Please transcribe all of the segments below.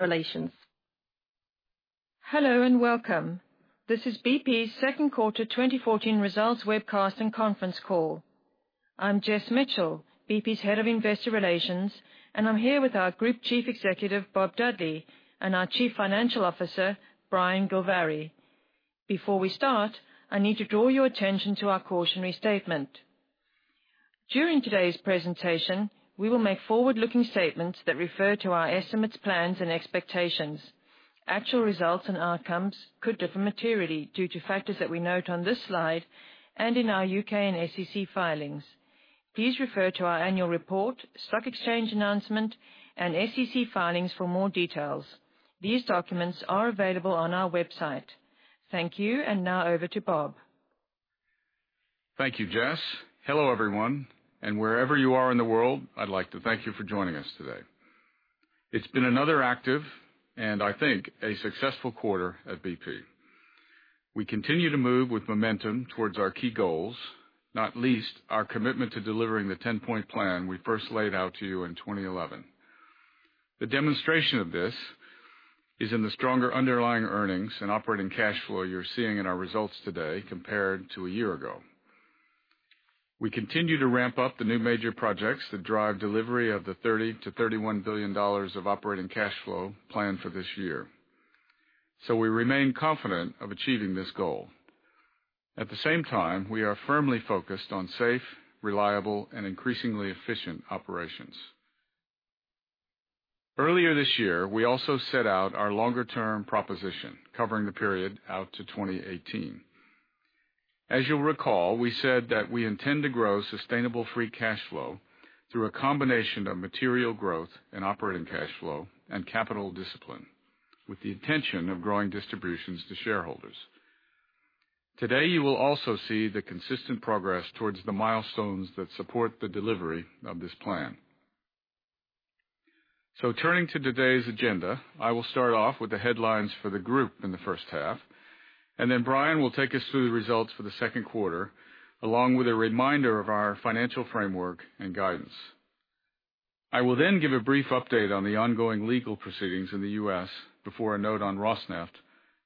Relations. Hello and welcome. This is BP's second quarter 2014 results webcast and conference call. I'm Jessica Mitchell, BP's head of investor relations, and I'm here with our group chief executive, Bob Dudley, and our chief financial officer, Brian Gilvary. Before we start, I need to draw your attention to our cautionary statement. During today's presentation, we will make forward-looking statements that refer to our estimates, plans, and expectations. Actual results and outcomes could differ materially due to factors that we note on this slide and in our U.K. and SEC filings. Please refer to our annual report, stock exchange announcement, and SEC filings for more details. These documents are available on our website. Thank you. Now over to Bob. Thank you, Jess. Hello, everyone. Wherever you are in the world, I'd like to thank you for joining us today. It's been another active and, I think, a successful quarter at BP. We continue to move with momentum towards our key goals, not least our commitment to delivering the 10-point plan we first laid out to you in 2011. The demonstration of this is in the stronger underlying earnings and operating cash flow you're seeing in our results today compared to a year ago. We continue to ramp up the new major projects that drive delivery of the $30 billion-$31 billion of operating cash flow planned for this year. We remain confident of achieving this goal. At the same time, we are firmly focused on safe, reliable, and increasingly efficient operations. Earlier this year, we also set out our longer-term proposition, covering the period out to 2018. As you'll recall, we said that we intend to grow sustainable free cash flow through a combination of material growth and operating cash flow and capital discipline, with the intention of growing distributions to shareholders. Today, you will also see the consistent progress towards the milestones that support the delivery of this plan. Turning to today's agenda, I will start off with the headlines for the group in the first half. Then Brian will take us through the results for the second quarter, along with a reminder of our financial framework and guidance. I will then give a brief update on the ongoing legal proceedings in the U.S. before a note on Rosneft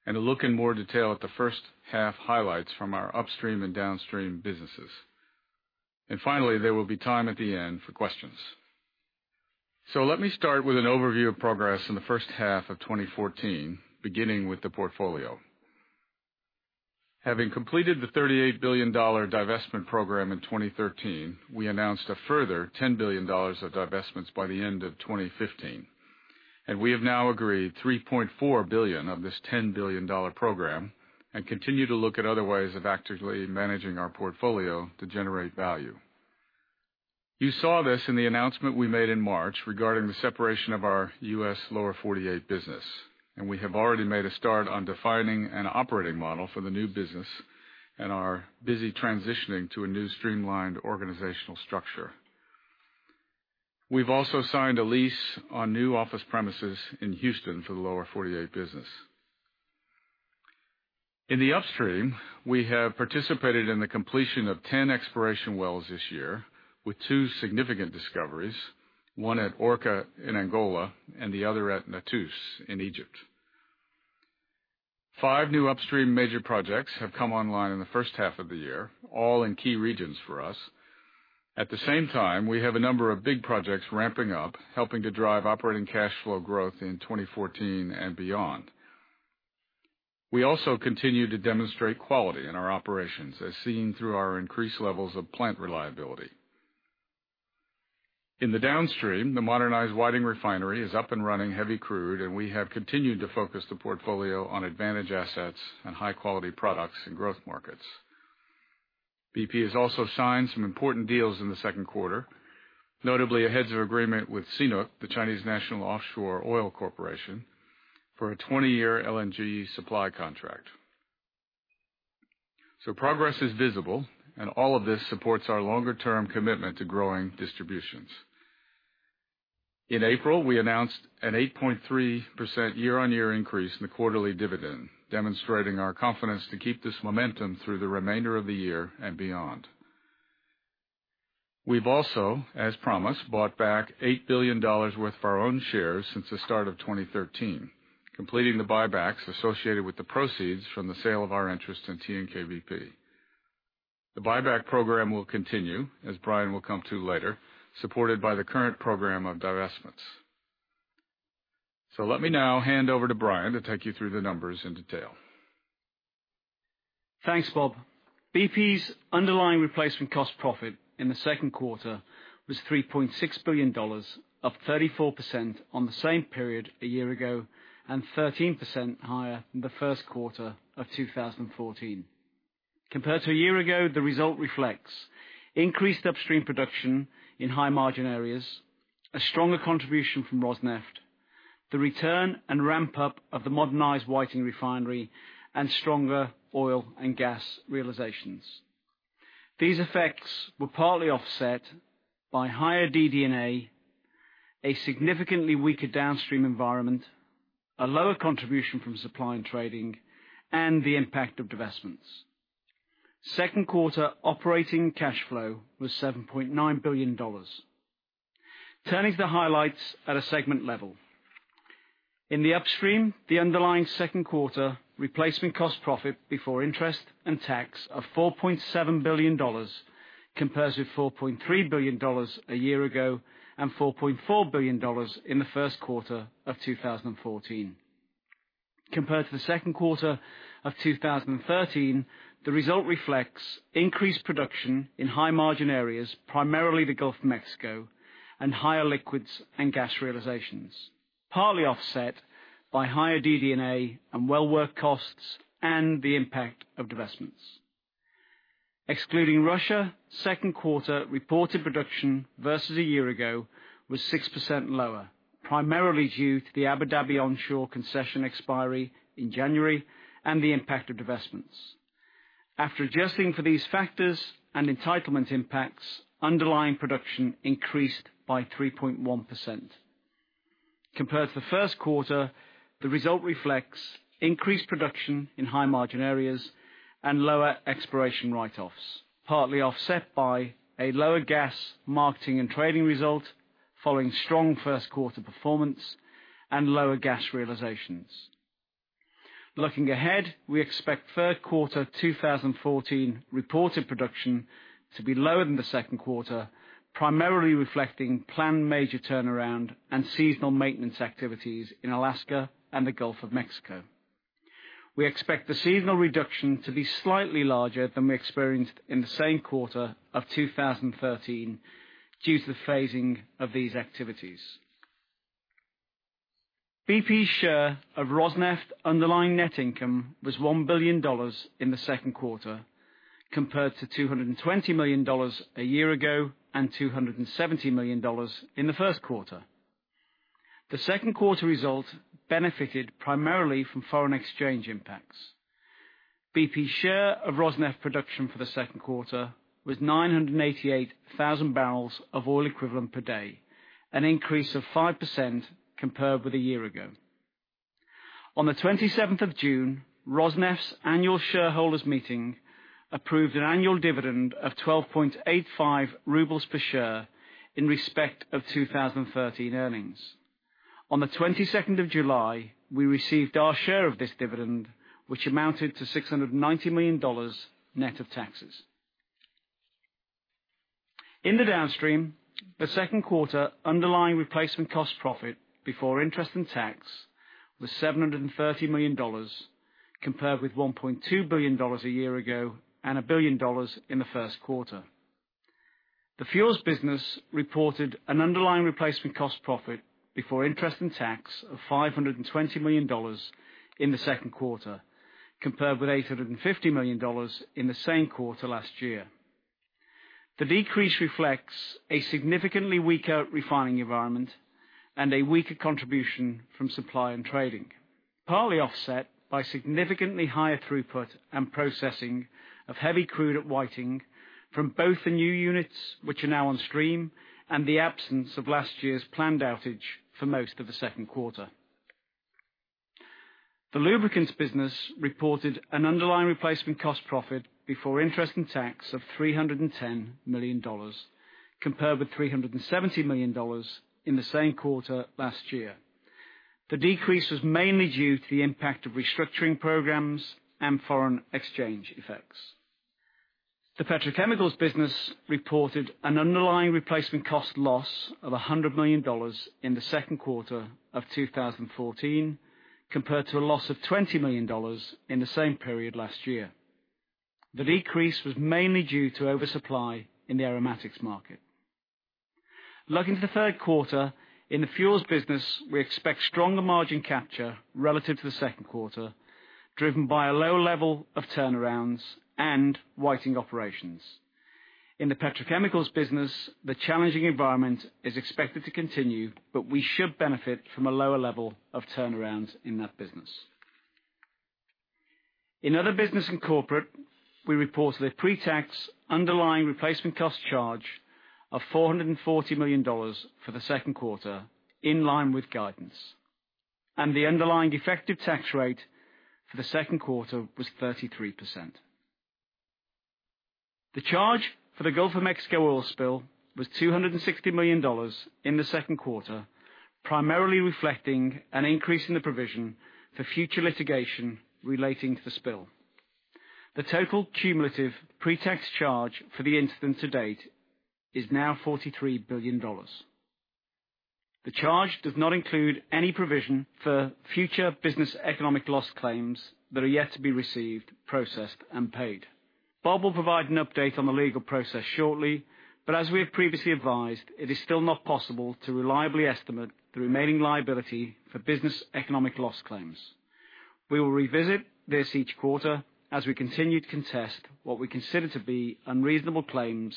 and a look in more detail at the first half highlights from our upstream and downstream businesses. Finally, there will be time at the end for questions. Let me start with an overview of progress in the first half of 2014, beginning with the portfolio. Having completed the $38 billion divestment program in 2013, we announced a further $10 billion of divestments by the end of 2015. We have now agreed $3.4 billion of this $10 billion program and continue to look at other ways of actively managing our portfolio to generate value. You saw this in the announcement we made in March regarding the separation of our U.S. Lower 48 business. We have already made a start on defining an operating model for the new business and are busy transitioning to a new streamlined organizational structure. We've also signed a lease on new office premises in Houston for the Lower 48 business. In the upstream, we have participated in the completion of 10 exploration wells this year with two significant discoveries, one at Orca in Angola and the other at Notus in Egypt. Five new upstream major projects have come online in the first half of the year, all in key regions for us. At the same time, we have a number of big projects ramping up, helping to drive operating cash flow growth in 2014 and beyond. We also continue to demonstrate quality in our operations, as seen through our increased levels of plant reliability. In the downstream, the modernized Whiting Refinery is up and running heavy crude, and we have continued to focus the portfolio on advantage assets and high-quality products in growth markets. BP has also signed some important deals in the second quarter, notably a heads of agreement with CNOOC, the China National Offshore Oil Corporation, for a 20-year LNG supply contract. Progress is visible, and all of this supports our longer-term commitment to growing distributions. In April, we announced an 8.3% year-on-year increase in the quarterly dividend, demonstrating our confidence to keep this momentum through the remainder of the year and beyond. We've also, as promised, bought back $8 billion worth of our own shares since the start of 2013, completing the buybacks associated with the proceeds from the sale of our interest in TNK-BP. The buyback program will continue, as Brian will come to later, supported by the current program of divestments. Let me now hand over to Brian to take you through the numbers in detail. Thanks, Bob. BP's underlying replacement cost profit in the second quarter was $3.6 billion, up 34% on the same period a year ago and 13% higher than the first quarter of 2014. Compared to a year ago, the result reflects increased upstream production in high-margin areas, a stronger contribution from Rosneft, the return and ramp-up of the modernized Whiting Refinery, and stronger oil and gas realizations. These effects were partly offset by higher DD&A, a significantly weaker downstream environment, a lower contribution from supply and trading, and the impact of divestments. Second quarter operating cash flow was $7.9 billion. Turning to the highlights at a segment level. In the upstream, the underlying second quarter replacement cost profit before interest and tax of $4.7 billion compares with $4.3 billion a year ago, and $4.4 billion in the first quarter of 2014. Compared to the second quarter of 2013, the result reflects increased production in high margin areas, primarily the Gulf of Mexico, and higher liquids and gas realizations, partly offset by higher DD&A and well work costs and the impact of divestments. Excluding Russia, second quarter reported production versus a year ago was 6% lower, primarily due to the Abu Dhabi onshore concession expiry in January and the impact of divestments. After adjusting for these factors and entitlement impacts, underlying production increased by 3.1%. Compared to the first quarter, the result reflects increased production in high margin areas and lower exploration write-offs, partly offset by a lower gas marketing and trading result following strong first quarter performance and lower gas realizations. Looking ahead, we expect third quarter 2014 reported production to be lower than the second quarter, primarily reflecting planned major turnaround and seasonal maintenance activities in Alaska and the Gulf of Mexico. We expect the seasonal reduction to be slightly larger than we experienced in the same quarter of 2013, due to the phasing of these activities. BP's share of Rosneft underlying net income was $1 billion in the second quarter, compared to $220 million a year ago, and $270 million in the first quarter. The second quarter result benefited primarily from foreign exchange impacts. BP's share of Rosneft production for the second quarter was 988,000 barrels of oil equivalent per day, an increase of 5% compared with a year ago. On the 27th of June, Rosneft's annual shareholders' meeting approved an annual dividend of 12.85 rubles per share in respect of 2013 earnings. On the 22nd of July, we received our share of this dividend, which amounted to $690 million, net of taxes. In the downstream, the second quarter underlying replacement cost profit before interest and tax was $730 million, compared with $1.2 billion a year ago, and $1 billion in the first quarter. The fuels business reported an underlying replacement cost profit before interest and tax of $520 million in the second quarter, compared with $850 million in the same quarter last year. The decrease reflects a significantly weaker refining environment and a weaker contribution from supply and trading, partly offset by significantly higher throughput and processing of heavy crude at Whiting from both the new units, which are now on stream, and the absence of last year's planned outage for most of the second quarter. The lubricants business reported an underlying replacement cost profit before interest and tax of $310 million, compared with $370 million in the same quarter last year. The decrease was mainly due to the impact of restructuring programs and foreign exchange effects. The petrochemicals business reported an underlying replacement cost loss of $100 million in the second quarter of 2014, compared to a loss of $20 million in the same period last year. The decrease was mainly due to oversupply in the aromatics market. Looking to the third quarter, in the fuels business, we expect stronger margin capture relative to the second quarter, driven by a lower level of turnarounds and Whiting operations. In the petrochemicals business, the challenging environment is expected to continue, but we should benefit from a lower level of turnarounds in that business. In other business and corporate, we report a pre-tax underlying replacement cost charge of $440 million for the second quarter, in line with guidance, and the underlying effective tax rate for the second quarter was 33%. The charge for the Gulf of Mexico oil spill was $260 million in the second quarter, primarily reflecting an increase in the provision for future litigation relating to the spill. The total cumulative pre-tax charge for the incident to date is now $43 billion. The charge does not include any provision for future business economic loss claims that are yet to be received, processed and paid. Bob will provide an update on the legal process shortly, but as we have previously advised, it is still not possible to reliably estimate the remaining liability for business economic loss claims. We will revisit this each quarter as we continue to contest what we consider to be unreasonable claims,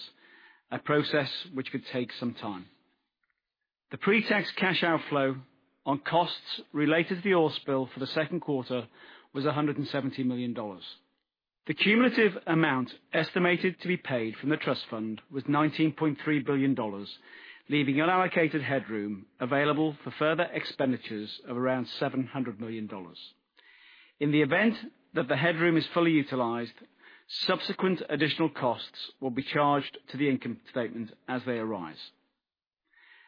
a process which could take some time. The pre-tax cash outflow on costs related to the oil spill for the second quarter was $170 million. The cumulative amount estimated to be paid from the trust fund was $19.3 billion, leaving unallocated headroom available for further expenditures of around $700 million. In the event that the headroom is fully utilized, subsequent additional costs will be charged to the income statement as they arise.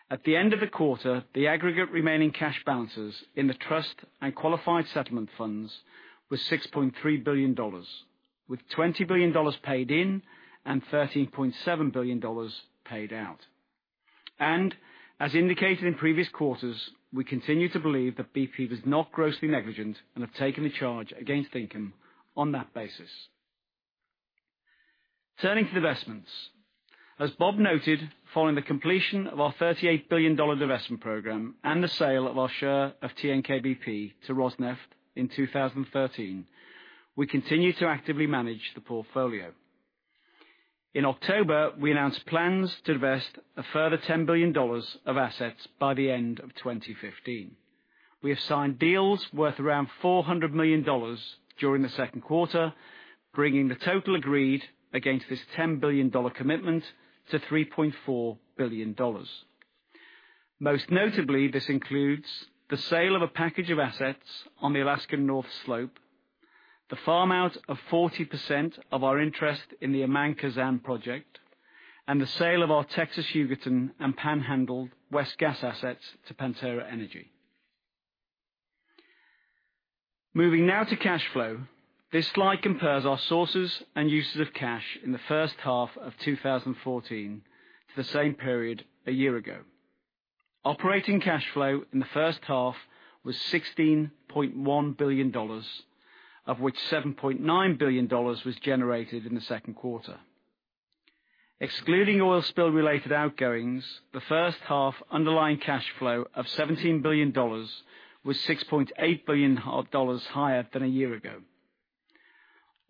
At the end of the quarter, the aggregate remaining cash balances in the trust and qualified settlement funds was $6.3 billion, with $20 billion paid in and $13.7 billion paid out. As indicated in previous quarters, we continue to believe that BP was not grossly negligent and have taken the charge against income on that basis. Turning to divestments. As Bob noted, following the completion of our $38 billion divestment program and the sale of our share of TNK-BP to Rosneft in 2013, we continue to actively manage the portfolio. In October, we announced plans to divest a further $10 billion of assets by the end of 2015. We have signed deals worth around $400 million during the second quarter, bringing the total agreed against this $10 billion commitment to $3.4 billion. Most notably, this includes the sale of a package of assets on the Alaskan North Slope, the farm-out of 40% of our interest in the Aman Kazan project, and the sale of our Texas Hugoton and Panhandle West Gas assets to Pantera Energy. Moving now to cash flow. This slide compares our sources and uses of cash in the first half of 2014 to the same period a year ago. Operating cash flow in the first half was $16.1 billion, of which $7.9 billion was generated in the second quarter. Excluding oil spill related outgoings, the first half underlying cash flow of $17 billion was $6.8 billion higher than a year ago.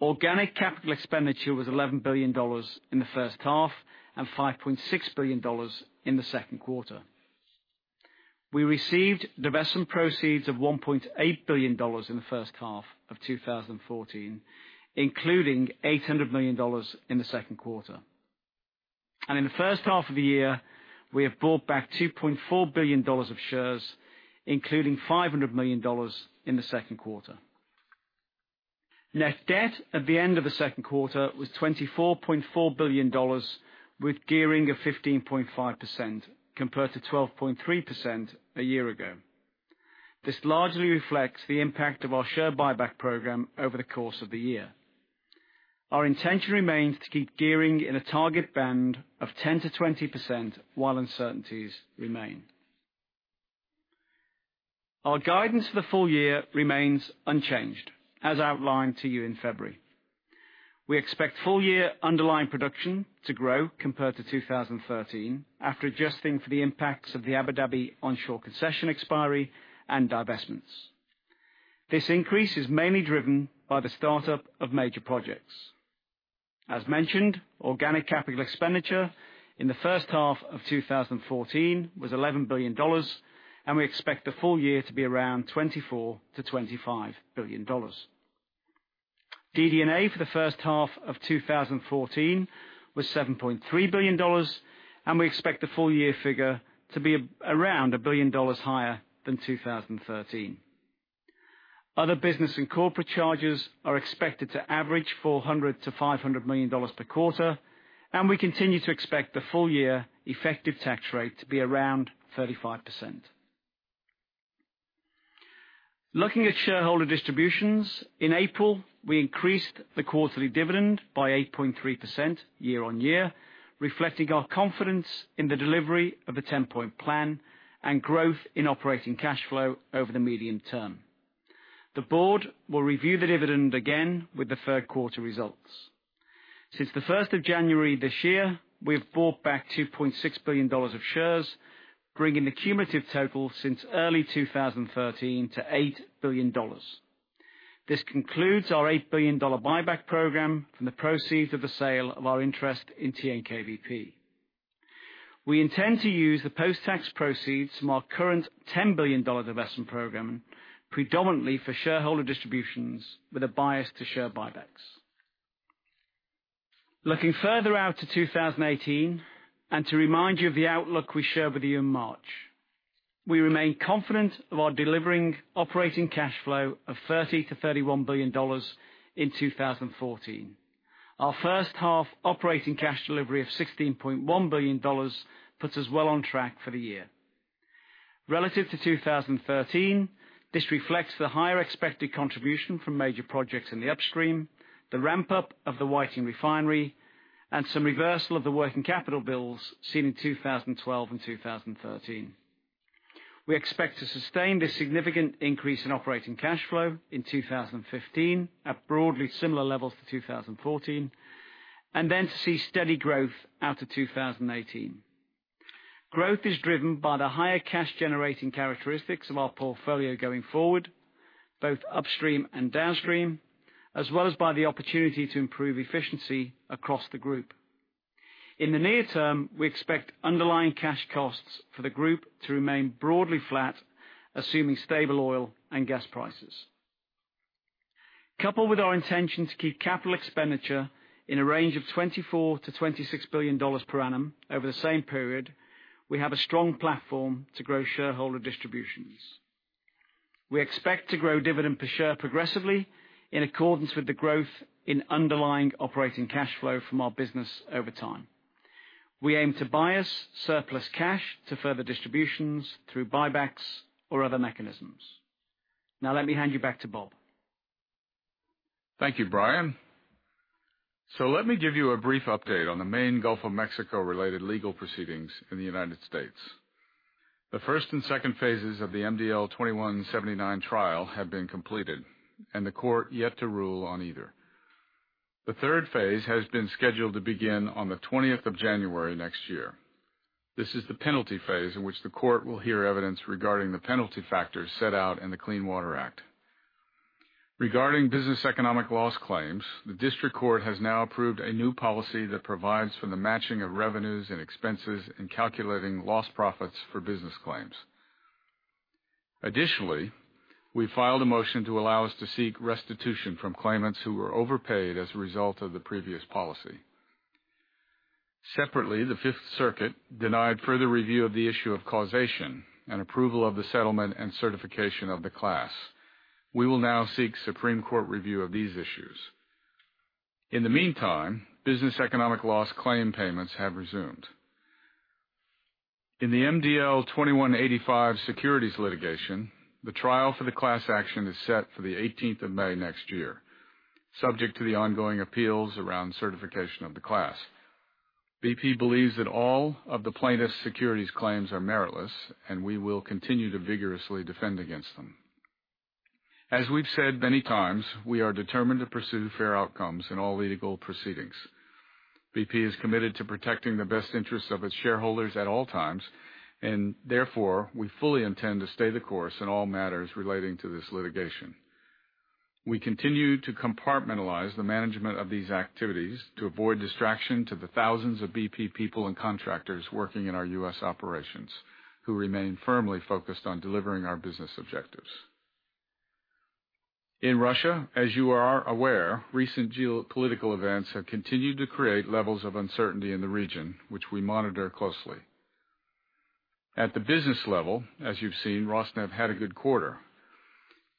Organic capital expenditure was $11 billion in the first half and $5.6 billion in the second quarter. We received divestment proceeds of $1.8 billion in the first half of 2014, including $800 million in the second quarter. In the first half of the year, we have bought back $2.4 billion of shares, including $500 million in the second quarter. Net debt at the end of the second quarter was $24.4 billion, with gearing of 15.5% compared to 12.3% a year ago. This largely reflects the impact of our share buyback program over the course of the year. Our intention remains to keep gearing in a target band of 10%-20% while uncertainties remain. Our guidance for the full year remains unchanged, as outlined to you in February. We expect full year underlying production to grow compared to 2013, after adjusting for the impacts of the Abu Dhabi onshore concession expiry and divestments. This increase is mainly driven by the start-up of major projects. As mentioned, organic capital expenditure in the first half of 2014 was $11 billion. We expect the full year to be around $24 billion-$25 billion. DD&A for the first half of 2014 was $7.3 billion. We expect the full year figure to be around a billion dollars higher than 2013. Other business and corporate charges are expected to average $400 million-$500 million per quarter. We continue to expect the full year effective tax rate to be around 35%. Looking at shareholder distributions. In April, we increased the quarterly dividend by 8.3% year-on-year, reflecting our confidence in the delivery of the 10-point plan and growth in operating cash flow over the medium term. The board will review the dividend again with the third quarter results. Since the 1st of January this year, we have bought back $2.6 billion of shares, bringing the cumulative total since early 2013 to $8 billion. This concludes our $8 billion buyback program from the proceeds of the sale of our interest in TNK-BP. We intend to use the post-tax proceeds from our current $10 billion investment program predominantly for shareholder distributions with a bias to share buybacks. Looking further out to 2018, to remind you of the outlook we shared with you in March. We remain confident of our delivering operating cash flow of $30 billion-$31 billion in 2014. Our first half operating cash delivery of $16.1 billion puts us well on track for the year. Relative to 2013, this reflects the higher expected contribution from major projects in the upstream, the ramp-up of the Whiting Refinery, and some reversal of the working capital bills seen in 2012 and 2013. We expect to sustain this significant increase in operating cash flow in 2015 at broadly similar levels to 2014. Then to see steady growth out to 2018. Growth is driven by the higher cash generating characteristics of our portfolio going forward, both upstream and downstream, as well as by the opportunity to improve efficiency across the group. In the near term, we expect underlying cash costs for the group to remain broadly flat, assuming stable oil and gas prices. Coupled with our intention to keep capital expenditure in a range of $24 billion-$26 billion per annum over the same period, we have a strong platform to grow shareholder distributions. We expect to grow dividend per share progressively in accordance with the growth in underlying operating cash flow from our business over time. We aim to bias surplus cash to further distributions through buybacks or other mechanisms. Now let me hand you back to Bob. Thank you, Brian. Let me give you a brief update on the main Gulf of Mexico related legal proceedings in the U.S. The first and second phases of the MDL 2179 trial have been completed, and the court yet to rule on either. The third phase has been scheduled to begin on January 20th next year. This is the penalty phase in which the court will hear evidence regarding the penalty factors set out in the Clean Water Act. Regarding business economic loss claims, the district court has now approved a new policy that provides for the matching of revenues and expenses in calculating loss profits for business claims. Additionally, we filed a motion to allow us to seek restitution from claimants who were overpaid as a result of the previous policy. Separately, the Fifth Circuit denied further review of the issue of causation and approval of the settlement and certification of the class. We will now seek Supreme Court review of these issues. In the meantime, business economic loss claim payments have resumed. In the MDL 2185 securities litigation, the trial for the class action is set for May 18th next year, subject to the ongoing appeals around certification of the class. BP believes that all of the plaintiffs' securities claims are meritless, and we will continue to vigorously defend against them. As we've said many times, we are determined to pursue fair outcomes in all legal proceedings. BP is committed to protecting the best interests of its shareholders at all times, therefore, we fully intend to stay the course in all matters relating to this litigation. We continue to compartmentalize the management of these activities to avoid distraction to the thousands of BP people and contractors working in our U.S. operations, who remain firmly focused on delivering our business objectives. In Russia, as you are aware, recent geopolitical events have continued to create levels of uncertainty in the region, which we monitor closely. At the business level, as you've seen, Rosneft had a good quarter.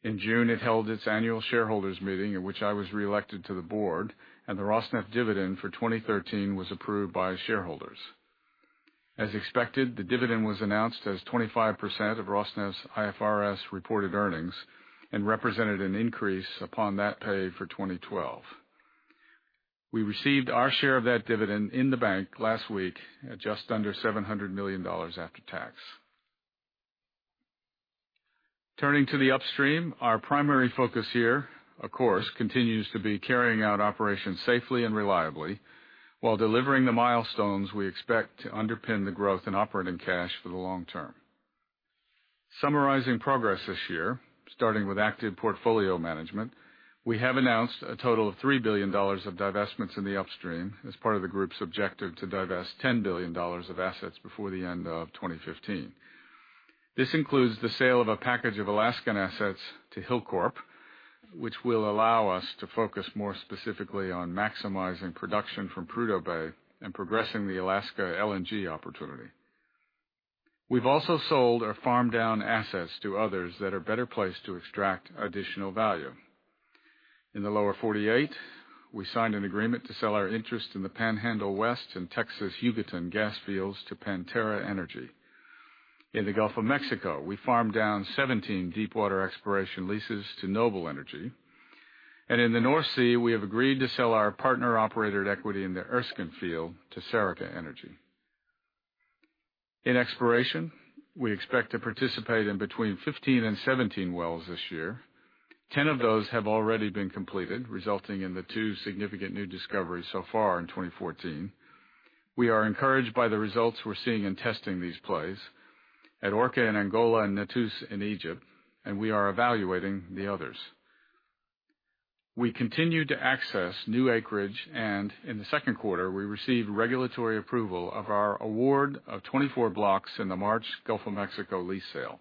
In June, it held its annual shareholders meeting, at which I was reelected to the board, and the Rosneft dividend for 2013 was approved by shareholders. As expected, the dividend was announced as 25% of Rosneft's IFRS reported earnings and represented an increase upon that paid for 2012. We received our share of that dividend in the bank last week at just under $700 million after tax. Turning to the upstream, our primary focus here, of course, continues to be carrying out operations safely and reliably while delivering the milestones we expect to underpin the growth in operating cash for the long term. Summarizing progress this year, starting with active portfolio management, we have announced a total of $3 billion of divestments in the upstream as part of the group's objective to divest $10 billion of assets before the end of 2015. This includes the sale of a package of Alaskan assets to Hilcorp, which will allow us to focus more specifically on maximizing production from Prudhoe Bay and progressing the Alaska LNG opportunity. We've also sold or farmed down assets to others that are better placed to extract additional value. In the Lower 48, we signed an agreement to sell our interest in the Panhandle West and Texas Hugoton gas fields to Pantera Energy. In the Gulf of Mexico, we farmed down 17 deepwater exploration leases to Noble Energy. In the North Sea, we have agreed to sell our partner operated equity in the Erskine Field to Serica Energy. In exploration, we expect to participate in between 15 and 17 wells this year. 10 of those have already been completed, resulting in the two significant new discoveries so far in 2014. We are encouraged by the results we're seeing in testing these plays at Orca in Angola and Notus in Egypt, and we are evaluating the others. We continue to access new acreage, and in the second quarter, we received regulatory approval of our award of 24 blocks in the March Gulf of Mexico lease sale.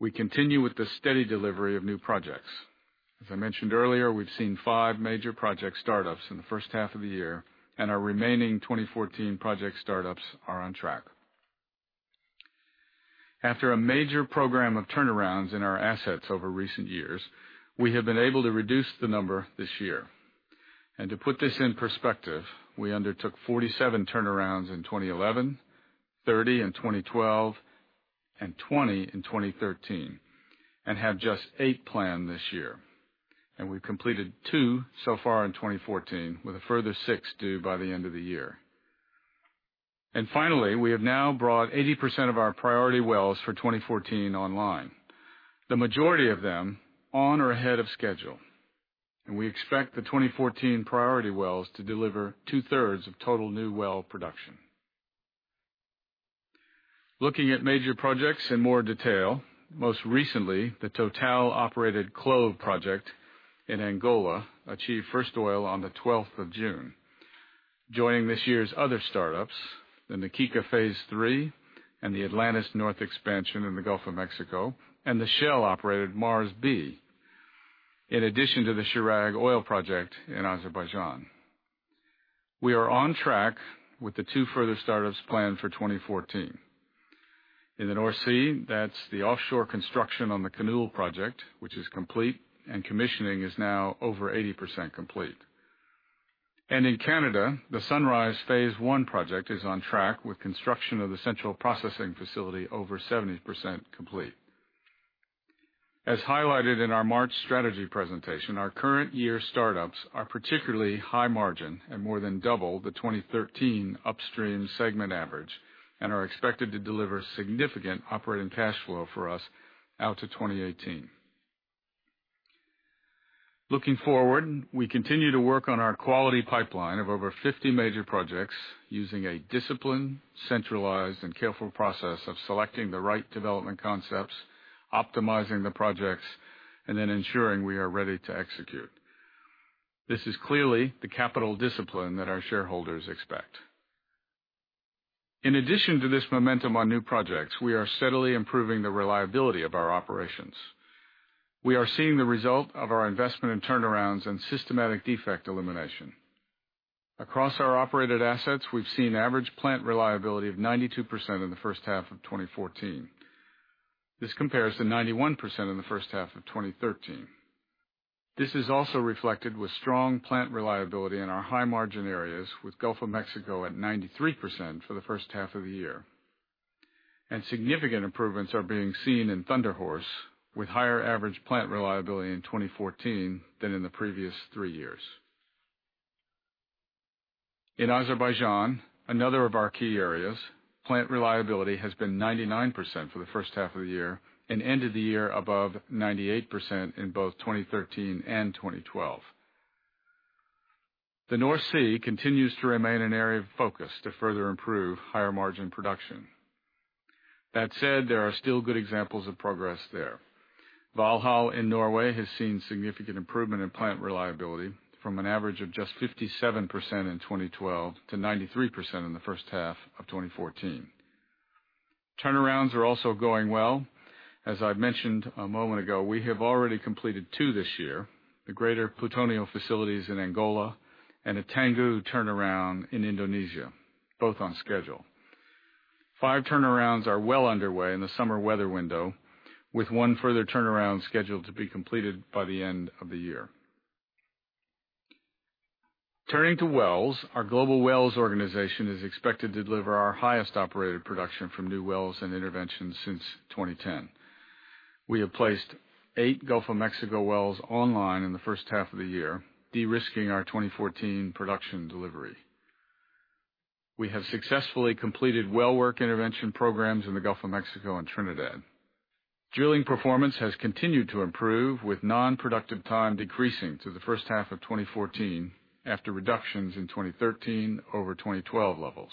We continue with the steady delivery of new projects. As I mentioned earlier, we've seen five major project startups in the first half of the year, and our remaining 2014 project startups are on track. After a major program of turnarounds in our assets over recent years, we have been able to reduce the number this year. To put this in perspective, we undertook 47 turnarounds in 2011, 30 in 2012, and 20 in 2013, and have just eight planned this year. We've completed two so far in 2014, with a further six due by the end of the year. Finally, we have now brought 80% of our priority wells for 2014 online, the majority of them on or ahead of schedule. We expect the 2014 priority wells to deliver two-thirds of total new well production. Looking at major projects in more detail. Most recently, the Total operated CLOV project in Angola achieved first oil on the 12th of June. Joining this year's other startups, the Na Kika Phase 3 and the Atlantis North expansion in the Gulf of Mexico and the Shell operated Mars B, in addition to the Chirag oil project in Azerbaijan. We are on track with the two further startups planned for 2014. In the North Sea, that's the offshore construction on the Kinnoull project, which is complete and commissioning is now over 80% complete. In Canada, the Sunrise Phase One project is on track with construction of the central processing facility over 70% complete. As highlighted in our March strategy presentation, our current year startups are particularly high margin and more than double the 2013 upstream segment average and are expected to deliver significant operating cash flow for us out to 2018. Looking forward, we continue to work on our quality pipeline of over 50 major projects using a disciplined, centralized, and careful process of selecting the right development concepts, optimizing the projects, then ensuring we are ready to execute. This is clearly the capital discipline that our shareholders expect. In addition to this momentum on new projects, we are steadily improving the reliability of our operations. We are seeing the result of our investment in turnarounds and systematic defect elimination. Across our operated assets, we've seen average plant reliability of 92% in the first half of 2014. This compares to 91% in the first half of 2013. This is also reflected with strong plant reliability in our high margin areas, with Gulf of Mexico at 93% for the first half of the year. Significant improvements are being seen in Thunder Horse, with higher average plant reliability in 2014 than in the previous three years. In Azerbaijan, another of our key areas, plant reliability has been 99% for the first half of the year and ended the year above 98% in both 2013 and 2012. The North Sea continues to remain an area of focus to further improve higher margin production. That said, there are still good examples of progress there. Valhall in Norway has seen significant improvement in plant reliability from an average of just 57% in 2012 to 93% in the first half of 2014. Turnarounds are also going well. As I've mentioned a moment ago, we have already completed two this year, the Greater Plutonio facilities in Angola and a Tangguh turnaround in Indonesia, both on schedule. Five turnarounds are well underway in the summer weather window, with one further turnaround scheduled to be completed by the end of the year. Turning to wells, our global wells organization is expected to deliver our highest operated production from new wells and interventions since 2010. We have placed eight Gulf of Mexico wells online in the first half of the year, de-risking our 2014 production delivery. We have successfully completed well work intervention programs in the Gulf of Mexico and Trinidad. Drilling performance has continued to improve with non-productive time decreasing through the first half of 2014 after reductions in 2013 over 2012 levels.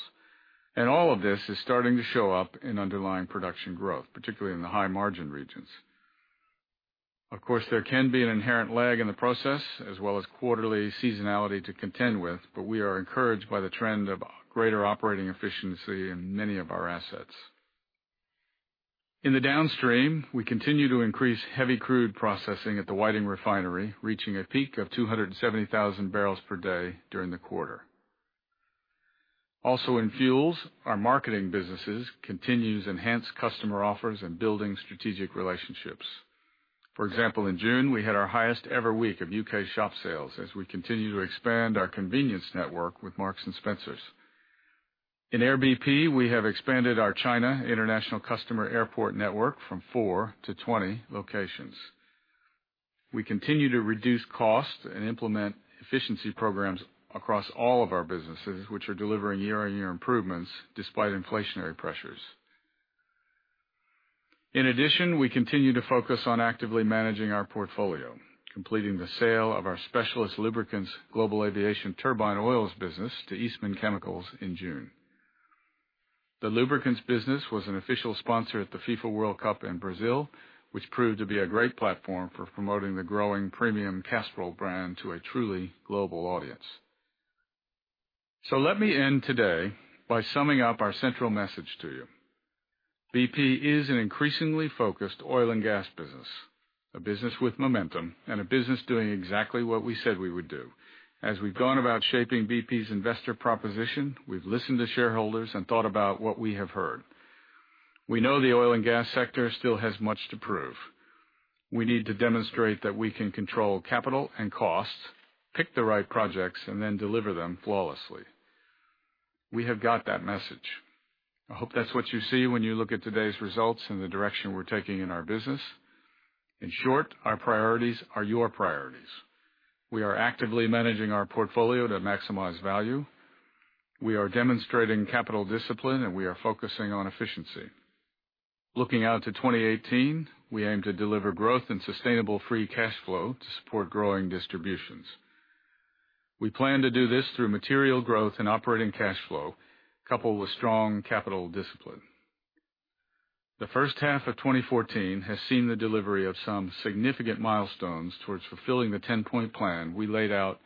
All of this is starting to show up in underlying production growth, particularly in the high margin regions. Of course, there can be an inherent lag in the process as well as quarterly seasonality to contend with, but we are encouraged by the trend of greater operating efficiency in many of our assets. In the downstream, we continue to increase heavy crude processing at the Whiting Refinery, reaching a peak of 270,000 barrels per day during the quarter. Also in fuels, our marketing businesses continues to enhance customer offers and building strategic relationships. For example, in June, we had our highest ever week of UK shop sales as we continue to expand our convenience network with Marks & Spencer. In Air BP, we have expanded our China international customer airport network from four to 20 locations. We continue to reduce costs and implement efficiency programs across all of our businesses, which are delivering year-on-year improvements despite inflationary pressures. In addition, we continue to focus on actively managing our portfolio, completing the sale of our specialist lubricants global aviation turbine oils business to Eastman Chemical in June. The lubricants business was an official sponsor at the 2014 FIFA World Cup in Brazil, which proved to be a great platform for promoting the growing premium Castrol brand to a truly global audience. Let me end today by summing up our central message to you. BP is an increasingly focused oil and gas business, a business with momentum, and a business doing exactly what we said we would do. As we've gone about shaping BP's investor proposition, we've listened to shareholders and thought about what we have heard. We know the oil and gas sector still has much to prove. We need to demonstrate that we can control capital and costs, pick the right projects, and then deliver them flawlessly. We have got that message. I hope that's what you see when you look at today's results and the direction we're taking in our business. In short, our priorities are your priorities. We are actively managing our portfolio to maximize value. We are demonstrating capital discipline, and we are focusing on efficiency. Looking out to 2018, we aim to deliver growth and sustainable free cash flow to support growing distributions. We plan to do this through material growth and operating cash flow, coupled with strong capital discipline. The first half of 2014 has seen the delivery of some significant milestones towards fulfilling the 10-point plan we laid out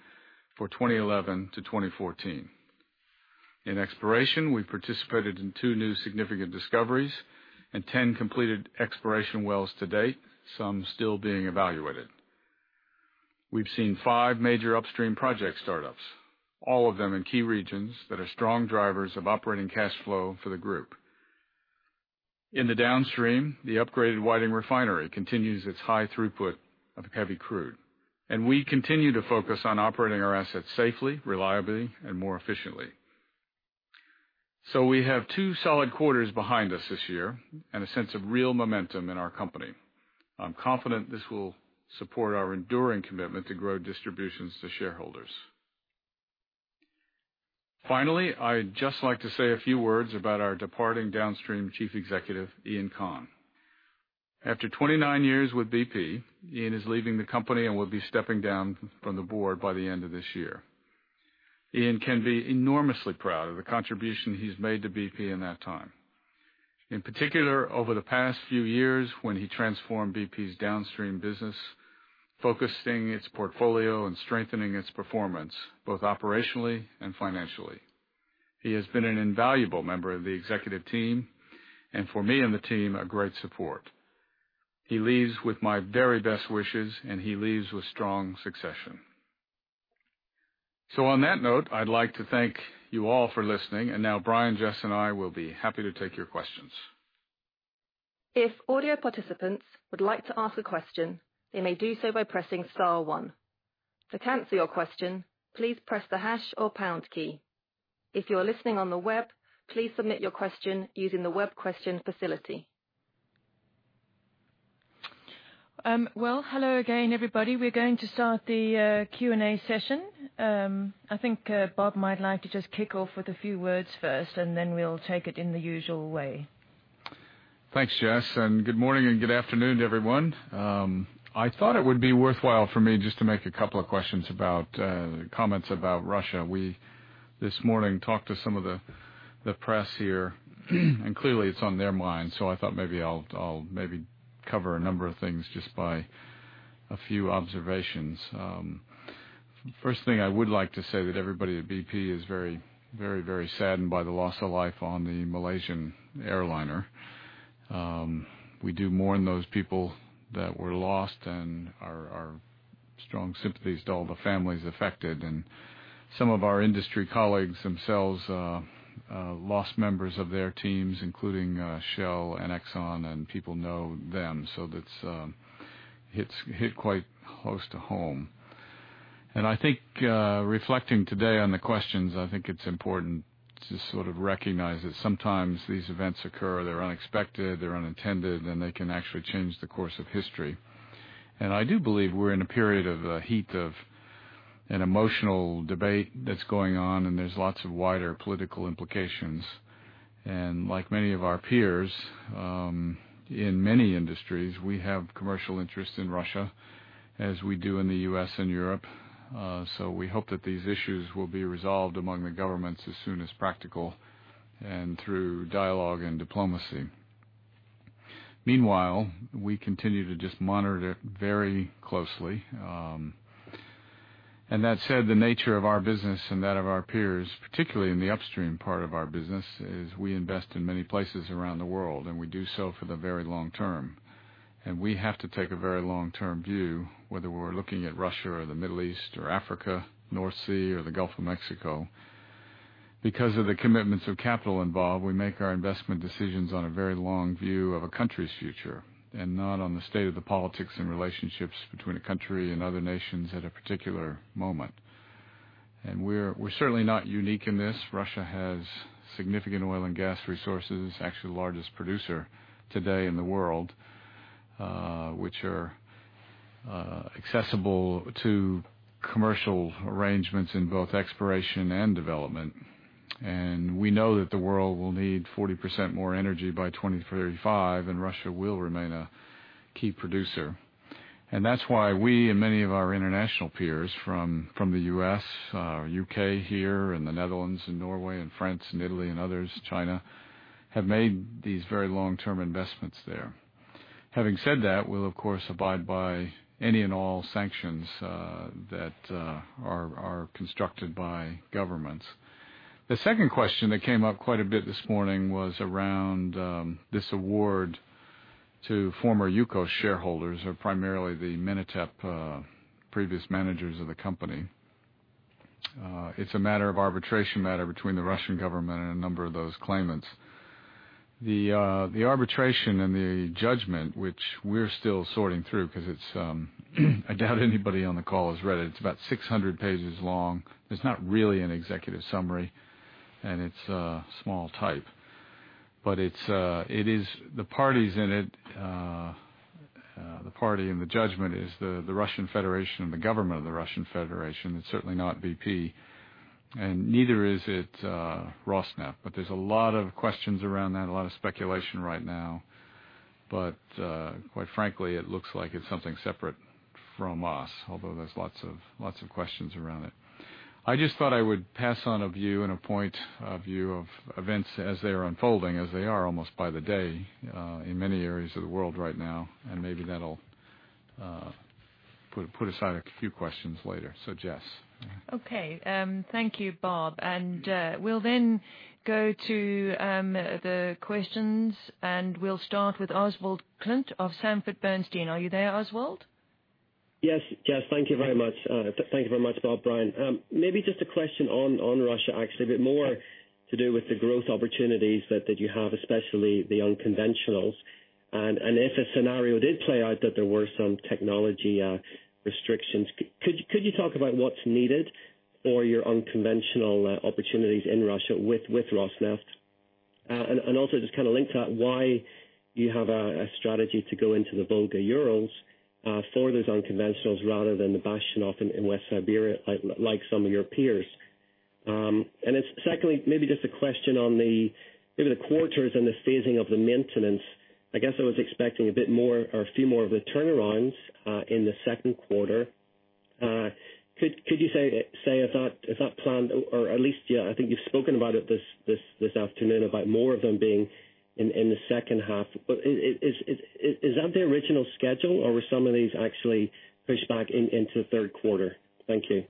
for 2011 to 2014. In exploration, we participated in two new significant discoveries and 10 completed exploration wells to date, some still being evaluated. We've seen five major upstream project startups, all of them in key regions that are strong drivers of operating cash flow for the group. In the downstream, the upgraded Whiting Refinery continues its high throughput of heavy crude, and we continue to focus on operating our assets safely, reliably, and more efficiently. We have two solid quarters behind us this year and a sense of real momentum in our company. I'm confident this will support our enduring commitment to grow distributions to shareholders. Finally, I'd just like to say a few words about our departing Downstream Chief Executive, Iain Conn. After 29 years with BP, Iain is leaving the company and will be stepping down from the board by the end of this year. Iain can be enormously proud of the contribution he's made to BP in that time. In particular, over the past few years, when he transformed BP's downstream business, focusing its portfolio and strengthening its performance, both operationally and financially. He has been an invaluable member of the executive team and for me and the team, a great support. He leaves with my very best wishes, and he leaves with strong succession. On that note, I'd like to thank you all for listening, and now Brian, Jess, and I will be happy to take your questions. If audio participants would like to ask a question, they may do so by pressing star one. To cancel your question, please press the hash or pound key. If you are listening on the web, please submit your question using the web question facility. Well, hello again, everybody. We're going to start the Q&A session. I think Bob might like to just kick off with a few words first, and then we'll take it in the usual way. Thanks, Jess, and good morning and good afternoon, everyone. I thought it would be worthwhile for me just to make a couple of comments about Russia. We, this morning, talked to some of the press here, and clearly, it's on their mind. I thought maybe I'll cover a number of things just by a few observations. First thing, I would like to say that everybody at BP is very, very saddened by the loss of life on the Malaysian airliner. We do mourn those people that were lost and our strong sympathies to all the families affected. Some of our industry colleagues themselves lost members of their teams, including Shell and Exxon, and people know them. It hit quite close to home. I think reflecting today on the questions, I think it's important to sort of recognize that sometimes these events occur, they're unexpected, they're unintended, and they can actually change the course of history. I do believe we're in a period of a heat of an emotional debate that's going on, and there's lots of wider political implications. Like many of our peers, in many industries, we have commercial interests in Russia, as we do in the U.S. and Europe. We hope that these issues will be resolved among the governments as soon as practical, and through dialogue and diplomacy. Meanwhile, we continue to just monitor very closely. That said, the nature of our business and that of our peers, particularly in the upstream part of our business, is we invest in many places around the world, and we do so for the very long term. We have to take a very long-term view, whether we're looking at Russia or the Middle East or Africa, North Sea or the Gulf of Mexico. Because of the commitments of capital involved, we make our investment decisions on a very long view of a country's future, and not on the state of the politics and relationships between a country and other nations at a particular moment. We're certainly not unique in this. Russia has significant oil and gas resources, actually the largest producer today in the world, which are accessible to commercial arrangements in both exploration and development. We know that the world will need 40% more energy by 2035, and Russia will remain a key producer. That's why we and many of our international peers from the U.S., U.K. here, the Netherlands and Norway and France and Italy and others, China, have made these very long-term investments there. Having said that, we'll of course, abide by any and all sanctions that are constructed by governments. The second question that came up quite a bit this morning was around this award to former Yukos shareholders or primarily the Menatep, previous managers of the company. It's a matter of arbitration matter between the Russian government and a number of those claimants. The arbitration and the judgment, which we're still sorting through because I doubt anybody on the call has read it. It's about 600 pages long. There's not really an executive summary, and it's small type. The parties in it, the party in the judgment is the Russian Federation and the government of the Russian Federation. It's certainly not BP, and neither is it Rosneft. There's a lot of questions around that, a lot of speculation right now. Quite frankly, it looks like it's something separate from us, although there's lots of questions around it. I just thought I would pass on a view and a point of view of events as they are unfolding, as they are almost by the day, in many areas of the world right now, and maybe that'll put aside a few questions later. Jess. Okay. Thank you, Bob. We'll then go to the questions, and we'll start with Oswald Clint of Sanford Bernstein. Are you there, Oswald? Yes. Jess, thank you very much. Thank you very much, Bob, Brian. Maybe just a question on Russia, actually, a bit more to do with the growth opportunities that you have, especially the unconventionals. If a scenario did play out that there were some technology restrictions, could you talk about what's needed for your unconventional opportunities in Russia with Rosneft? Also just kind of linked to that, why you have a strategy to go into the Volga-Urals for those unconventionals rather than the Bazhenov in West Siberia, like some of your peers. Then secondly, maybe just a question on the quarters and the phasing of the maintenance. I guess I was expecting a bit more or a few more of the turnarounds in the second quarter. Could you say is that planned? At least, I think you've spoken about it this afternoon about more of them being in the second half. Is that the original schedule, or were some of these actually pushed back into the third quarter? Thank you.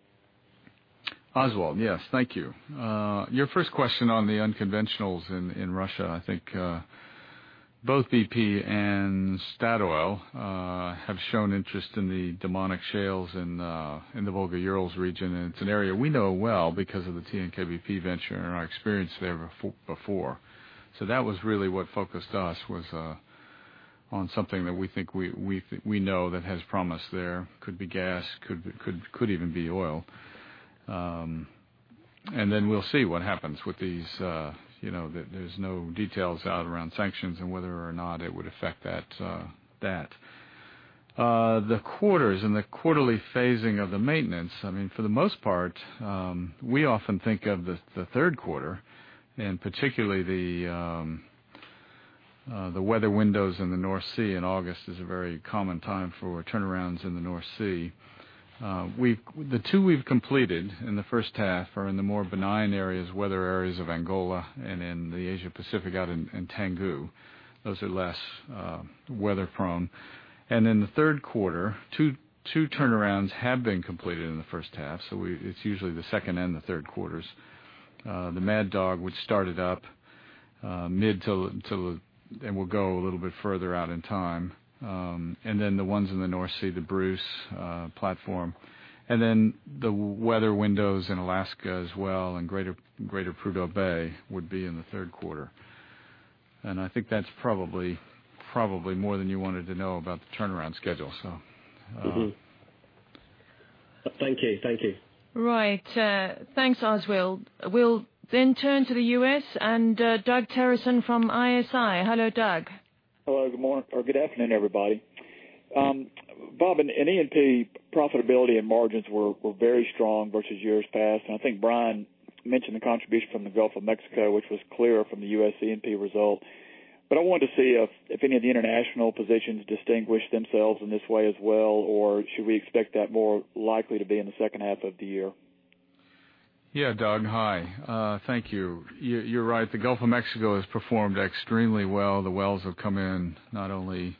Oswald. Yes. Thank you. Your first question on the unconventionals in Russia. I think both BP and Statoil have shown interest in the Domanik shales in the Volga-Urals region. It's an area we know well because of the TNK-BP venture and our experience there before. That was really what focused us was on something that we know that has promise there. Could be gas, could even be oil. Then we'll see what happens with these. There's no details out around sanctions and whether or not it would affect that. The quarters and the quarterly phasing of the maintenance. I mean, for the most part, we often think of the third quarter, and particularly the weather windows in the North Sea in August is a very common time for turnarounds in the North Sea. The two we've completed in the first half are in the more benign areas, weather areas of Angola and in the Asia Pacific out in Tangguh. Those are less weather-prone. In the third quarter, two turnarounds have been completed in the first half. It's usually the second and the third quarters. The Mad Dog, which started up mid till it will go a little bit further out in time. Then the ones in the North Sea, the Bruce platform, and then the weather windows in Alaska as well, and Greater Prudhoe Bay would be in the third quarter. I think that's probably more than you wanted to know about the turnaround schedule. Thank you. Right. Thanks, Oswald. We'll then turn to the U.S. and Doug Terreson from ISI. Hello, Doug. Hello. Good morning or good afternoon, everybody. Bob, in E&P, profitability and margins were very strong versus years past. I think Brian mentioned the contribution from the Gulf of Mexico, which was clear from the U.S. E&P result. I wanted to see if any of the international positions distinguished themselves in this way as well, or should we expect that more likely to be in the second half of the year? Yeah, Doug. Hi. Thank you. You're right. The Gulf of Mexico has performed extremely well. The wells have come in not only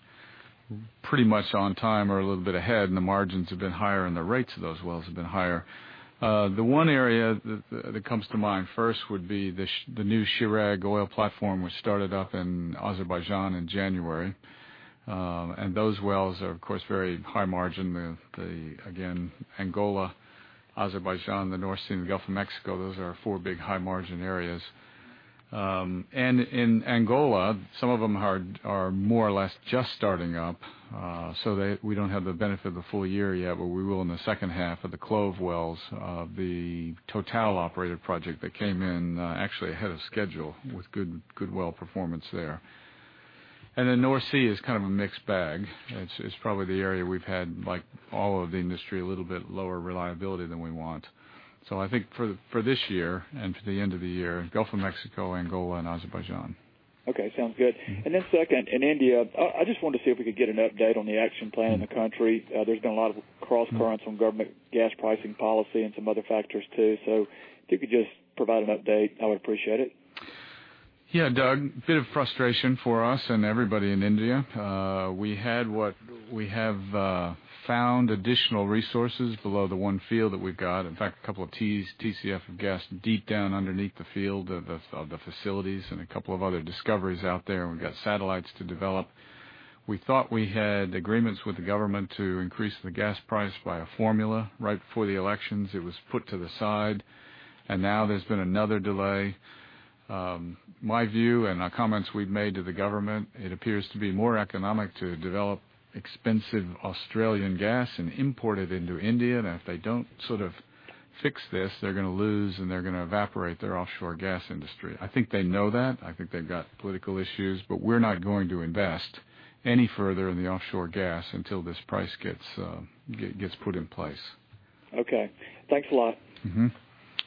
pretty much on time or a little bit ahead, and the margins have been higher and the rates of those wells have been higher. The one area that comes to mind first would be the new Chirag oil platform, which started up in Azerbaijan in January. Those wells are, of course, very high margin. Again, Angola, Azerbaijan, the North Sea, and the Gulf of Mexico, those are four big high-margin areas. In Angola, some of them are more or less just starting up. We don't have the benefit of the full year yet, but we will in the second half of the CLOV wells, the Total-operated project that came in actually ahead of schedule with good well performance there. North Sea is kind of a mixed bag. It's probably the area we've had, like all of the industry, a little bit lower reliability than we want. I think for this year and for the end of the year, Gulf of Mexico, Angola and Azerbaijan. Okay, sounds good. Second, in India, I just wanted to see if we could get an update on the action plan in the country. There's been a lot of cross currents on government gas pricing policy and some other factors too. If you could just provide an update, I would appreciate it. Yeah, Doug. A bit of frustration for us and everybody in India. We have found additional resources below the one field that we've got. In fact, a couple of TCF of gas deep down underneath the field of the facilities and a couple of other discoveries out there, and we've got satellites to develop. We thought we had agreements with the government to increase the gas price by a formula right before the elections. It was put to the side. Now there's been another delay. My view and our comments we've made to the government, it appears to be more economic to develop expensive Australian gas and import it into India. If they don't sort of fix this, they're going to lose, and they're going to evaporate their offshore gas industry. I think they know that. I think they've got political issues. We're not going to invest any further in the offshore gas until this price gets put in place. Okay. Thanks a lot.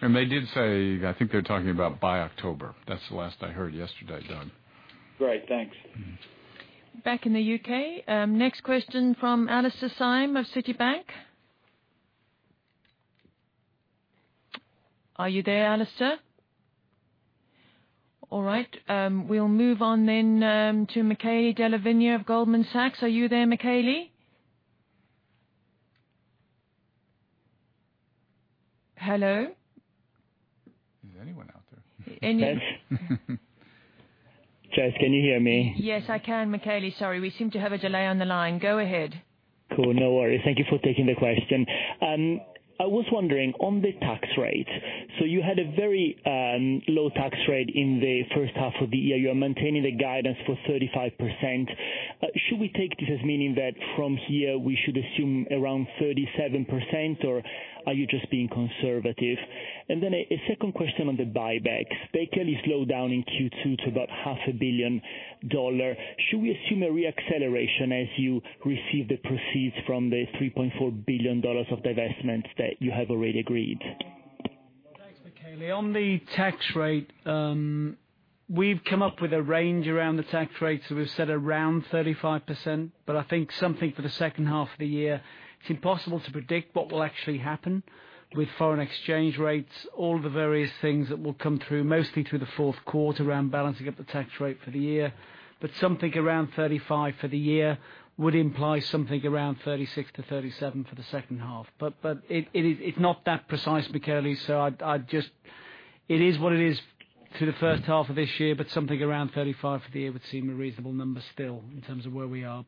Mm-hmm. They did say, I think they're talking about by October. That's the last I heard yesterday, Doug. Great. Thanks. Back in the U.K. Next question from Alastair Syme of Citi. Are you there, Alastair? All right. We'll move on then to Michele Della Vigna of Goldman Sachs. Are you there, Michele? Hello? Is anyone out there? Any- Jess? Can you hear me? Yes, I can, Michele. Sorry, we seem to have a delay on the line. Go ahead. Cool. No worries. Thank you for taking the question. I was wondering on the tax rate. You had a very low tax rate in the first half of the year. You are maintaining the guidance for 35%. Should we take this as meaning that from here we should assume around 37%, or are you just being conservative? A second question on the buybacks. They clearly slowed down in Q2 to about half a billion dollars. Should we assume a re-acceleration as you receive the proceeds from the $3.4 billion of divestments that you have already agreed? Well, thanks, Michele. On the tax rate, we've come up with a range around the tax rate, so we've said around 35%. I think something for the second half of the year, it's impossible to predict what will actually happen with foreign exchange rates. All the various things that will come through, mostly through the fourth quarter around balancing up the tax rate for the year. Something around 35 for the year would imply something around 36-37 for the second half. It's not that precise, Michele, so it is what it is through the first half of this year, but something around 35 for the year would seem a reasonable number still in terms of where we are.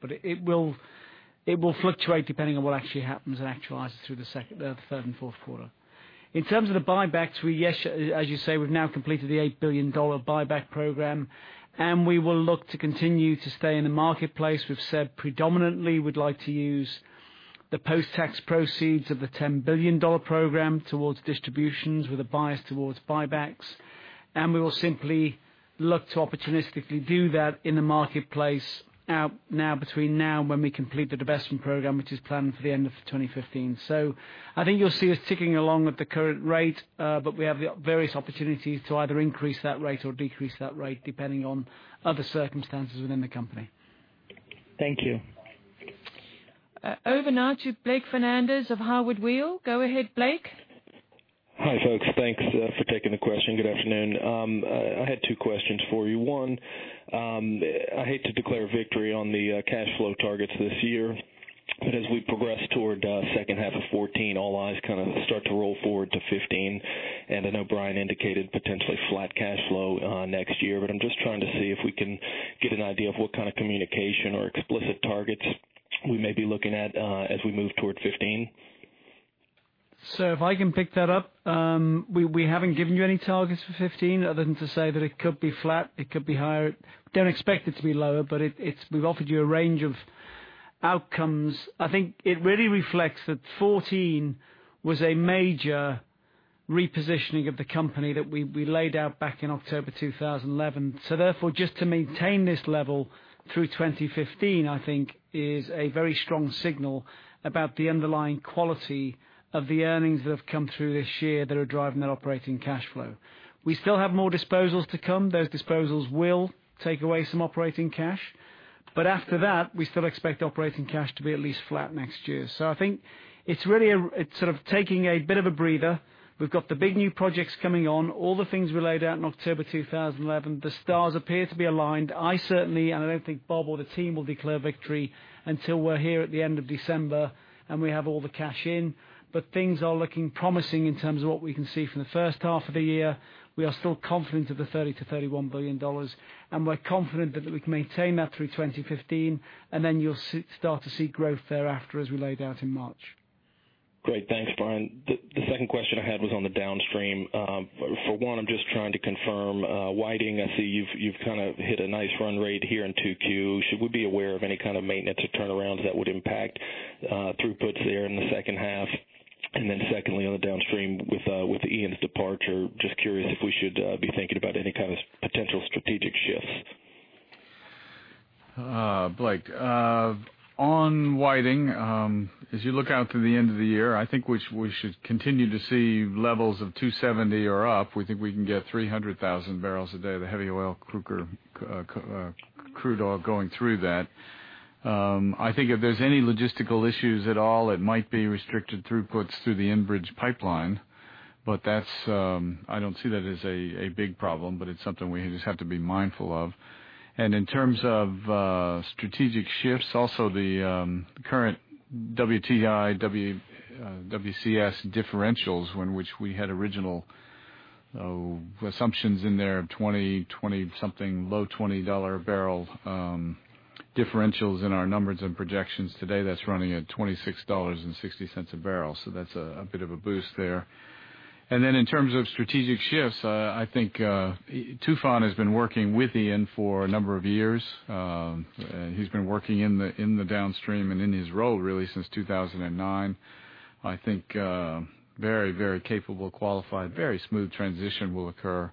It will fluctuate depending on what actually happens and actualizes through the third and fourth quarter. In terms of the buybacks, as you say, we've now completed the $8 billion buyback program, and we will look to continue to stay in the marketplace. We've said predominantly we'd like to use the post-tax proceeds of the $10 billion program towards distributions with a bias towards buybacks. We will simply look to opportunistically do that in the marketplace between now and when we complete the divestment program, which is planned for the end of 2015. I think you'll see us ticking along at the current rate. We have various opportunities to either increase that rate or decrease that rate depending on other circumstances within the company. Thank you. Over now to Blake Fernandez of Howard Weil. Go ahead, Blake. Hi, folks. Thanks for taking the question. Good afternoon. I had two questions for you. One, I hate to declare victory on the cash flow targets this year, but as we progress toward second half of '14, all eyes kind of start to roll forward to '15. I know Brian indicated potentially flat cash flow next year, but I'm just trying to see if we can get an idea of what kind of communication or explicit targets we may be looking at as we move towards '15. If I can pick that up. We haven't given you any targets for '15 other than to say that it could be flat, it could be higher. Don't expect it to be lower, but we've offered you a range of outcomes. I think it really reflects that '14 was a major repositioning of the company that we laid out back in October 2011. Therefore, just to maintain this level through 2015, I think is a very strong signal about the underlying quality of the earnings that have come through this year that are driving that operating cash flow. We still have more disposals to come. Those disposals will take away some operating cash. After that, we still expect operating cash to be at least flat next year. I think it's sort of taking a bit of a breather. We've got the big new projects coming on, all the things we laid out in October 2011. The stars appear to be aligned. I certainly, and I don't think Bob or the team will declare victory until we're here at the end of December and we have all the cash in. Things are looking promising in terms of what we can see from the first half of the year. We are still confident of the $30 billion-$31 billion, and we're confident that we can maintain that through 2015, and then you'll start to see growth thereafter as we laid out in March. Great. Thanks, Brian. The second question I had was on the downstream. For one, I'm just trying to confirm Whiting. I see you've kind of hit a nice run rate here in 2Q. Should we be aware of any kind of maintenance or turnarounds that would impact throughputs there in the second half? Secondly, on the downstream with Ian's departure, just curious if we should be thinking about any kind of potential strategic shifts. Blake, on Whiting, as you look out to the end of the year, I think we should continue to see levels of 270 or up. We think we can get 300,000 barrels a day of the heavy oil crude oil going through that. I think if there's any logistical issues at all, it might be restricted throughputs through the Enbridge pipeline. I don't see that as a big problem, but it's something we just have to be mindful of. In terms of strategic shifts, also the current WTI, WCS differentials, one which we had original assumptions in there of 20 something low $20 a barrel differentials in our numbers and projections. Today, that's running at $26.60 a barrel. That's a bit of a boost there. Then in terms of strategic shifts, I think Tufan has been working with Ian for a number of years. He's been working in the downstream and in his role really since 2009. I think very capable, qualified, very smooth transition will occur.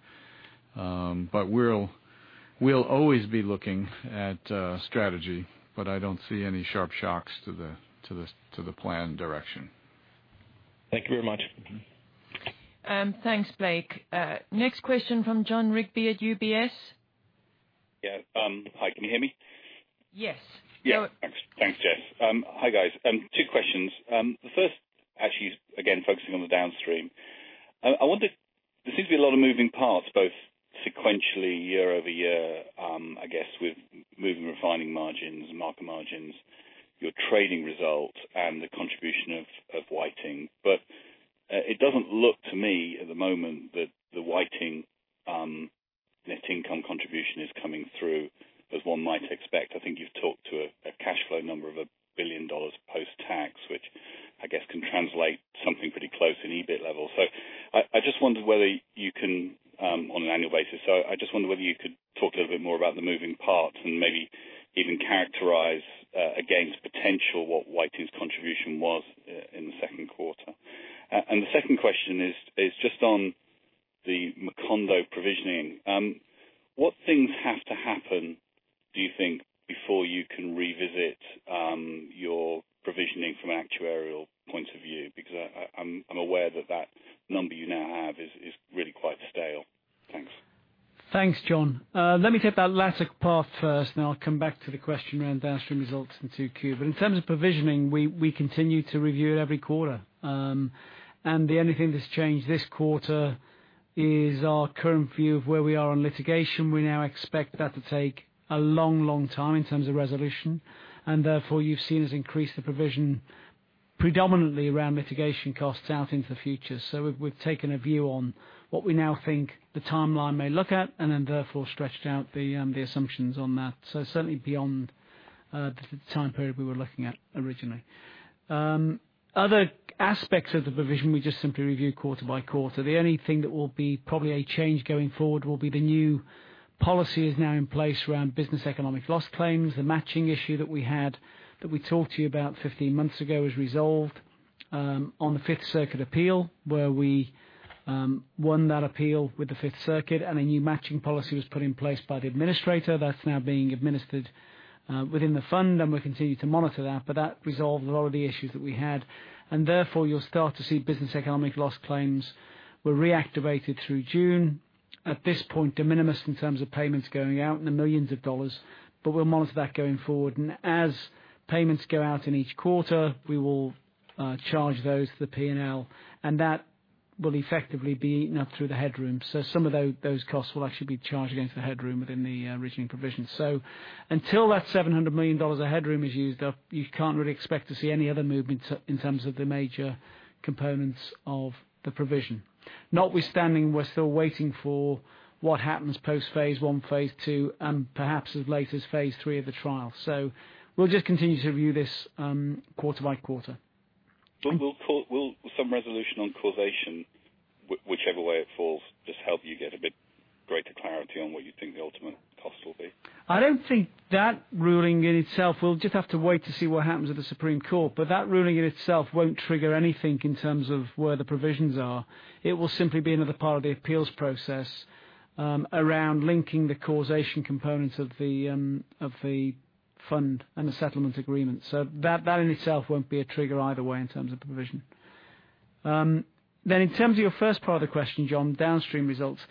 We'll always be looking at strategy. I don't see any sharp shocks to the planned direction. Thank you very much. Thanks, Blake. Next question from John Rigby at UBS Yeah. Hi, can you hear me? Yes. Yeah. Thanks, Jess. Hi, guys. Two questions. The first actually is, again, focusing on the downstream. There seems to be a lot of moving parts, both sequentially year-over-year, I guess, with moving refining margins, market margins, your trading results, and the contribution of Whiting. But it doesn't look, to me, at the moment, that the Whiting net income contribution is coming through as one might expect. I think you've talked to a cash flow number of a billion dollars post-tax, which I guess can translate something pretty close in EBIT level. I just wonder whether you could talk a little bit more about the moving parts and maybe even characterize, again, to potential what Whiting's contribution was in the second quarter. The second question is just on the Macondo provisioning. What things have to happen, do you think, before you can revisit your provisioning from an actuarial point of view? Because I'm aware that number you now have is really quite stale. Thanks. Thanks, John. Let me take that latter part first, and then I'll come back to the question around downstream results in 2Q. In terms of provisioning, we continue to review it every quarter. The only thing that's changed this quarter is our current view of where we are on litigation. We now expect that to take a long, long time in terms of resolution. Therefore, you've seen us increase the provision predominantly around litigation costs out into the future. We've taken a view on what we now think the timeline may look at, and then therefore stretched out the assumptions on that. Certainly beyond the time period we were looking at originally. Other aspects of the provision, we just simply review quarter by quarter. The only thing that will be probably a change going forward will be the new policy is now in place around business economic loss claims. The matching issue that we had, that we talked to you about 15 months ago is resolved on the Fifth Circuit Appeal, where we won that appeal with the Fifth Circuit, and a new matching policy was put in place by the administrator. That's now being administered within the fund, and we'll continue to monitor that. That resolved a lot of the issues that we had. Therefore, you'll start to see business economic loss claims were reactivated through June. At this point, de minimis in terms of payments going out in the millions of dollars, but we'll monitor that going forward. As payments go out in each quarter, we will charge those to the P&L, and that will effectively be eaten up through the headroom. Some of those costs will actually be charged against the headroom within the original provision. Until that $700 million of headroom is used up, you can't really expect to see any other movement in terms of the major components of the provision. Notwithstanding, we're still waiting for what happens post phase one, phase two, and perhaps as late as phase three of the trial. We'll just continue to review this, quarter by quarter. Will some resolution on causation, whichever way it falls, just help you get a bit greater clarity on what you think the ultimate cost will be? I don't think that ruling in itself. We'll just have to wait to see what happens at the Supreme Court. That ruling in itself won't trigger anything in terms of where the provisions are. It will simply be another part of the appeals process around linking the causation components of the fund and the settlement agreement. That in itself won't be a trigger either way in terms of the provision. In terms of your first part of the question, John, downstream results,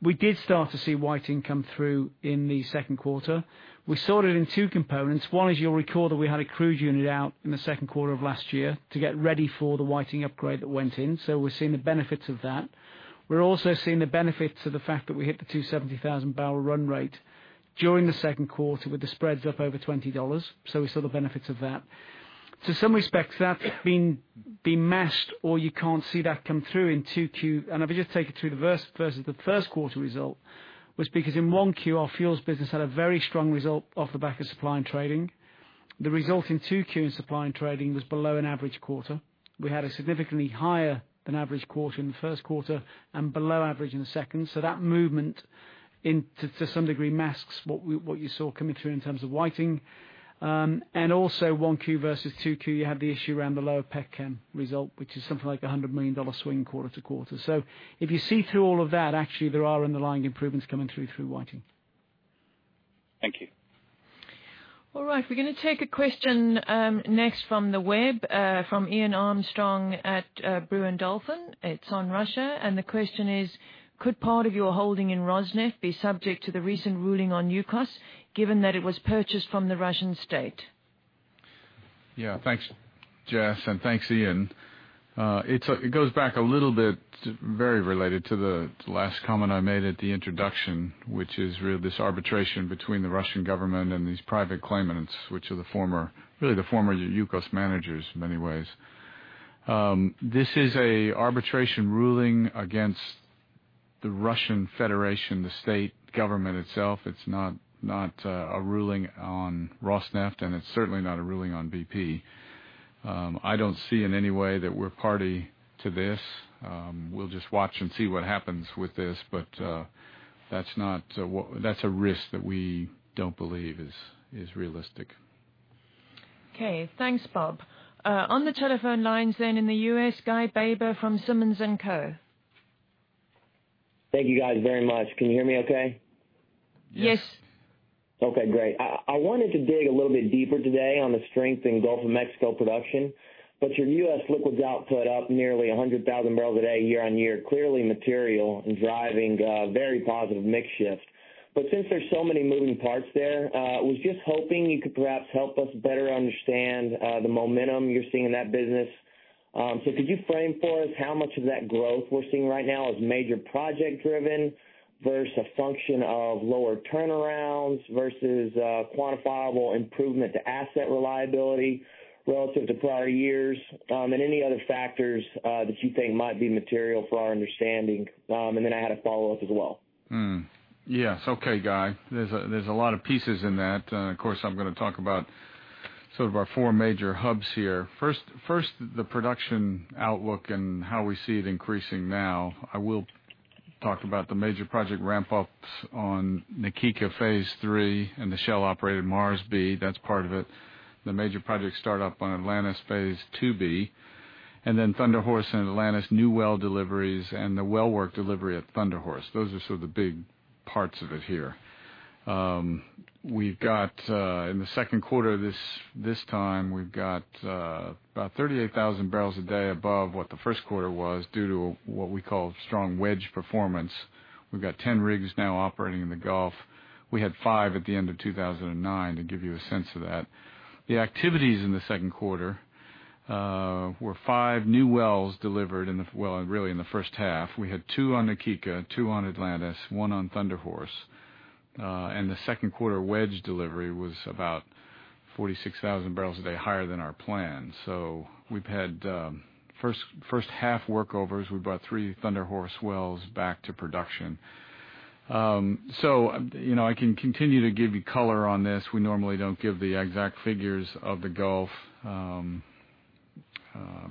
we did start to see Whiting come through in the second quarter. We sorted in two components. One, as you'll recall, that we had a crude unit out in the second quarter of last year to get ready for the Whiting upgrade that went in. We're seeing the benefits of that. We're also seeing the benefits of the fact that we hit the 270,000 barrel run rate during the second quarter with the spreads up over $20. We saw the benefits of that. In some respects, that being enmeshed, or you can't see that come through in 2Q. If I just take it to the first quarter result, was because in 1Q, our fuels business had a very strong result off the back of supply and trading. The result in 2Q in supply and trading was below an average quarter. We had a significantly higher than average quarter in the first quarter and below average in the second. That movement to some degree masks what you saw coming through in terms of Whiting. Also 1Q versus 2Q, you have the issue around the lower pet chem result, which is something like $100 million swing quarter to quarter. If you see through all of that, actually, there are underlying improvements coming through Whiting. Thank you. All right. We're going to take a question next from the web, from Ian Armstrong at Brewin Dolphin. It's on Russia, and the question is, could part of your holding in Rosneft be subject to the recent ruling on Yukos, given that it was purchased from the Russian state? Yeah. Thanks, Jess, and thanks, Ian. It goes back a little bit, very related to the last comment I made at the introduction, which is really this arbitration between the Russian government and these private claimants, which are really the former Yukos managers in many ways. This is an arbitration ruling against the Russian Federation, the state government itself. It's not a ruling on Rosneft, and it's certainly not a ruling on BP. I don't see in any way that we're party to this. We'll just watch and see what happens with this, but that's a risk that we don't believe is realistic. Okay. Thanks, Bob. On the telephone lines then in the U.S., Guy Baber from Simmons & Co. Thank you guys very much. Can you hear me okay? Yes. Okay, great. I wanted to dig a little bit deeper today on the strength in Gulf of Mexico production. Your U.S. liquids output up nearly 100,000 barrels a day year-on-year, clearly material and driving very positive mix shift. Since there's so many moving parts there, was just hoping you could perhaps help us better understand the momentum you're seeing in that business. Could you frame for us how much of that growth we're seeing right now is major project driven versus a function of lower turnarounds versus quantifiable improvement to asset reliability relative to prior years? Any other factors that you think might be material for our understanding. I had a follow-up as well. Yes. Okay, Guy. There's a lot of pieces in that. Of course, I'm going to talk about sort of our four major hubs here. First, the production outlook and how we see it increasing now. I will talk about the major project ramp ups on Na Kika Phase 3 and the Shell operated Mars B, that's part of it. The major project start up on Atlantis Phase 2B. Then Thunder Horse and Atlantis new well deliveries and the well work delivery at Thunder Horse. Those are sort of the big parts of it here. In the second quarter this time, we've got about 38,000 barrels a day above what the first quarter was due to what we call strong wedge performance. We've got 10 rigs now operating in the Gulf. We had five at the end of 2009, to give you a sense of that. The activities in the second quarter were five new wells delivered, well, really in the first half. We had two on Na Kika, two on Atlantis, one on Thunder Horse. The second quarter wedge delivery was about 46,000 barrels a day higher than our plan. We've had first half workovers. We brought three Thunder Horse wells back to production. I can continue to give you color on this. We normally don't give the exact figures of the Gulf.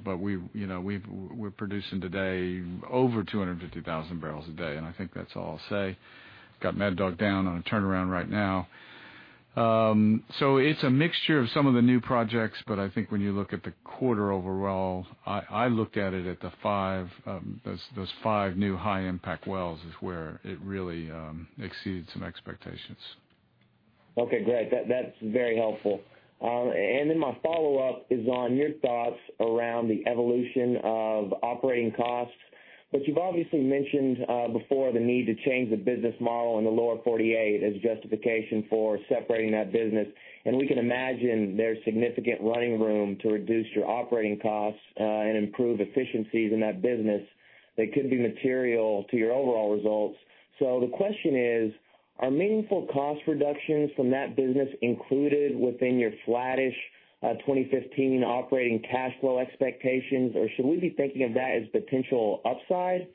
We're producing today over 250,000 barrels a day, and I think that's all I'll say. Got Mad Dog down on a turnaround right now. It's a mixture of some of the new projects, but I think when you look at the quarter overall, I looked at it at those five new high impact wells is where it really exceeded some expectations. Okay, great. That's very helpful. Then my follow-up is on your thoughts around the evolution of operating costs. You've obviously mentioned before the need to change the business model in the Lower 48 as justification for separating that business, and we can imagine there's significant running room to reduce your operating costs, and improve efficiencies in that business that could be material to your overall results. The question is, are meaningful cost reductions from that business included within your flattish 2015 operating cash flow expectations, or should we be thinking of that as potential upside?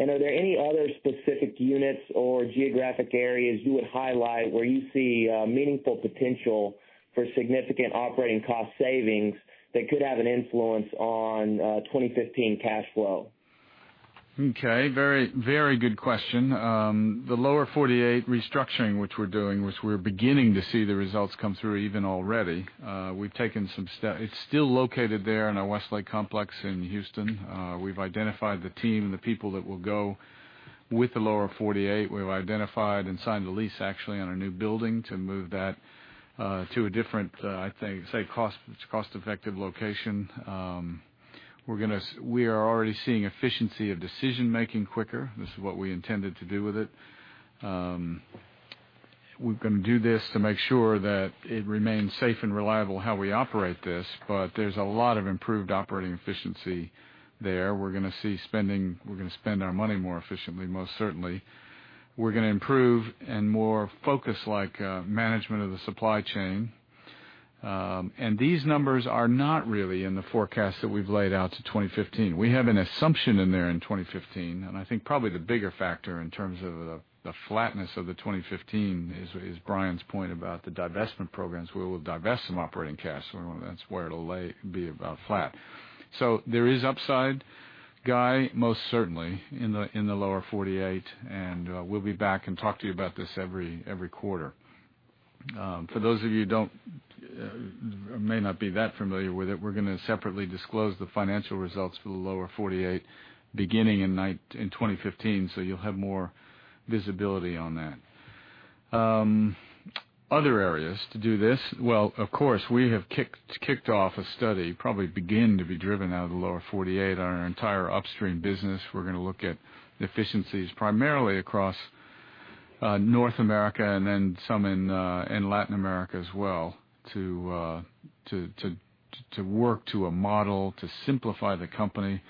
Are there any other specific units or geographic areas you would highlight where you see meaningful potential for significant operating cost savings that could have an influence on 2015 cash flow? Okay. Very good question. The Lower 48 restructuring, which we're doing, which we're beginning to see the results come through even already. It's still located there in our Westlake complex in Houston. We've identified the team and the people that will go with the Lower 48. We've identified and signed a lease actually on a new building to move that to a different, I think, cost-effective location. We are already seeing efficiency of decision making quicker. This is what we intended to do with it. We're going to do this to make sure that it remains safe and reliable how we operate this, but there's a lot of improved operating efficiency there. We're going to spend our money more efficiently, most certainly. We're going to improve and more focus like management of the supply chain. These numbers are not really in the forecast that we've laid out to 2015. We have an assumption in there in 2015, and I think probably the bigger factor in terms of the flatness of the 2015 is Brian's point about the divestment programs. We will divest some operating cash. That's where it'll be about flat. There is upside, Guy, most certainly in the Lower 48, and we'll be back and talk to you about this every quarter. For those of you who may not be that familiar with it, we're going to separately disclose the financial results for the Lower 48 beginning in 2015, so you'll have more visibility on that. Other areas to do this. Well, of course, we have kicked off a study, probably begin to be driven out of the Lower 48 on our entire upstream business. We're going to look at efficiencies primarily across North America and then some in Latin America as well to work to a model to simplify the company.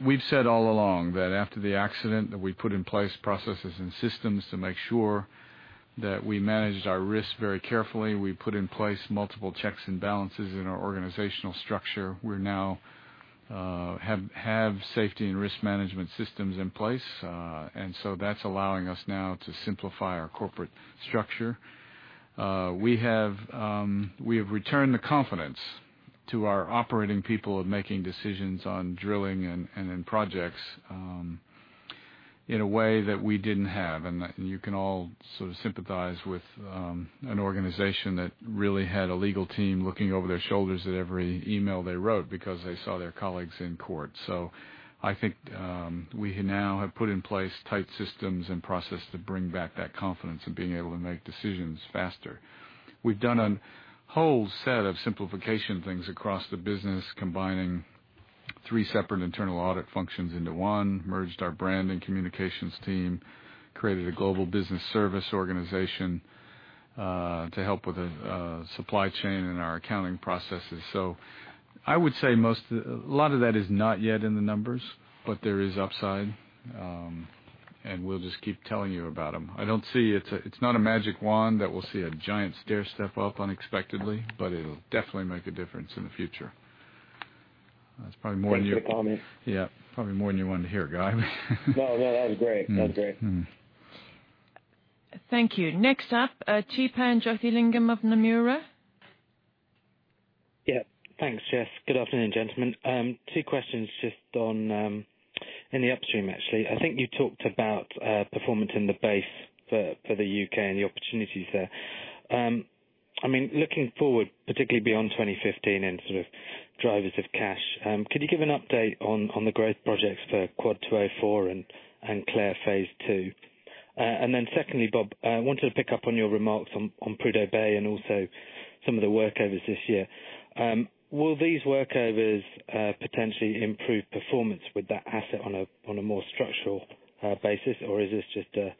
We've said all along that after the accident that we put in place processes and systems to make sure that we managed our risk very carefully. We put in place multiple checks and balances in our organizational structure. We now have safety and risk management systems in place. That's allowing us now to simplify our corporate structure. We have returned the confidence to our operating people of making decisions on drilling and in projects in a way that we didn't have. You can all sort of sympathize with an organization that really had a legal team looking over their shoulders at every email they wrote because they saw their colleagues in court. I think we now have put in place tight systems and processes to bring back that confidence in being able to make decisions faster. We've done a whole set of simplification things across the business, combining three separate internal audit functions into one, merged our brand and communications team, created a global business service organization to help with our supply chain and our accounting processes. I would say a lot of that is not yet in the numbers, but there is upside, and we'll just keep telling you about them. It's not a magic wand that we'll see a giant stair step up unexpectedly, but it'll definitely make a difference in the future. That's probably more than you- Thank you, Bob Yeah, probably more than you wanted to hear, Guy. No, that was great. That was great. Thank you. Next up, Theepan Jothilingam of Nomura. Yeah. Thanks, Jess. Good afternoon, gentlemen. Two questions just on in the upstream, actually. I think you talked about performance in the base for the UK and the opportunities there. Looking forward, particularly beyond 2015 in sort of drivers of cash, can you give an update on the growth projects for Quad 204 and Clair Phase 2? And then secondly, Bob, I wanted to pick up on your remarks on Prudhoe Bay and also some of the workovers this year. Will these workovers potentially improve performance with that asset on a more structural basis? Or is this just a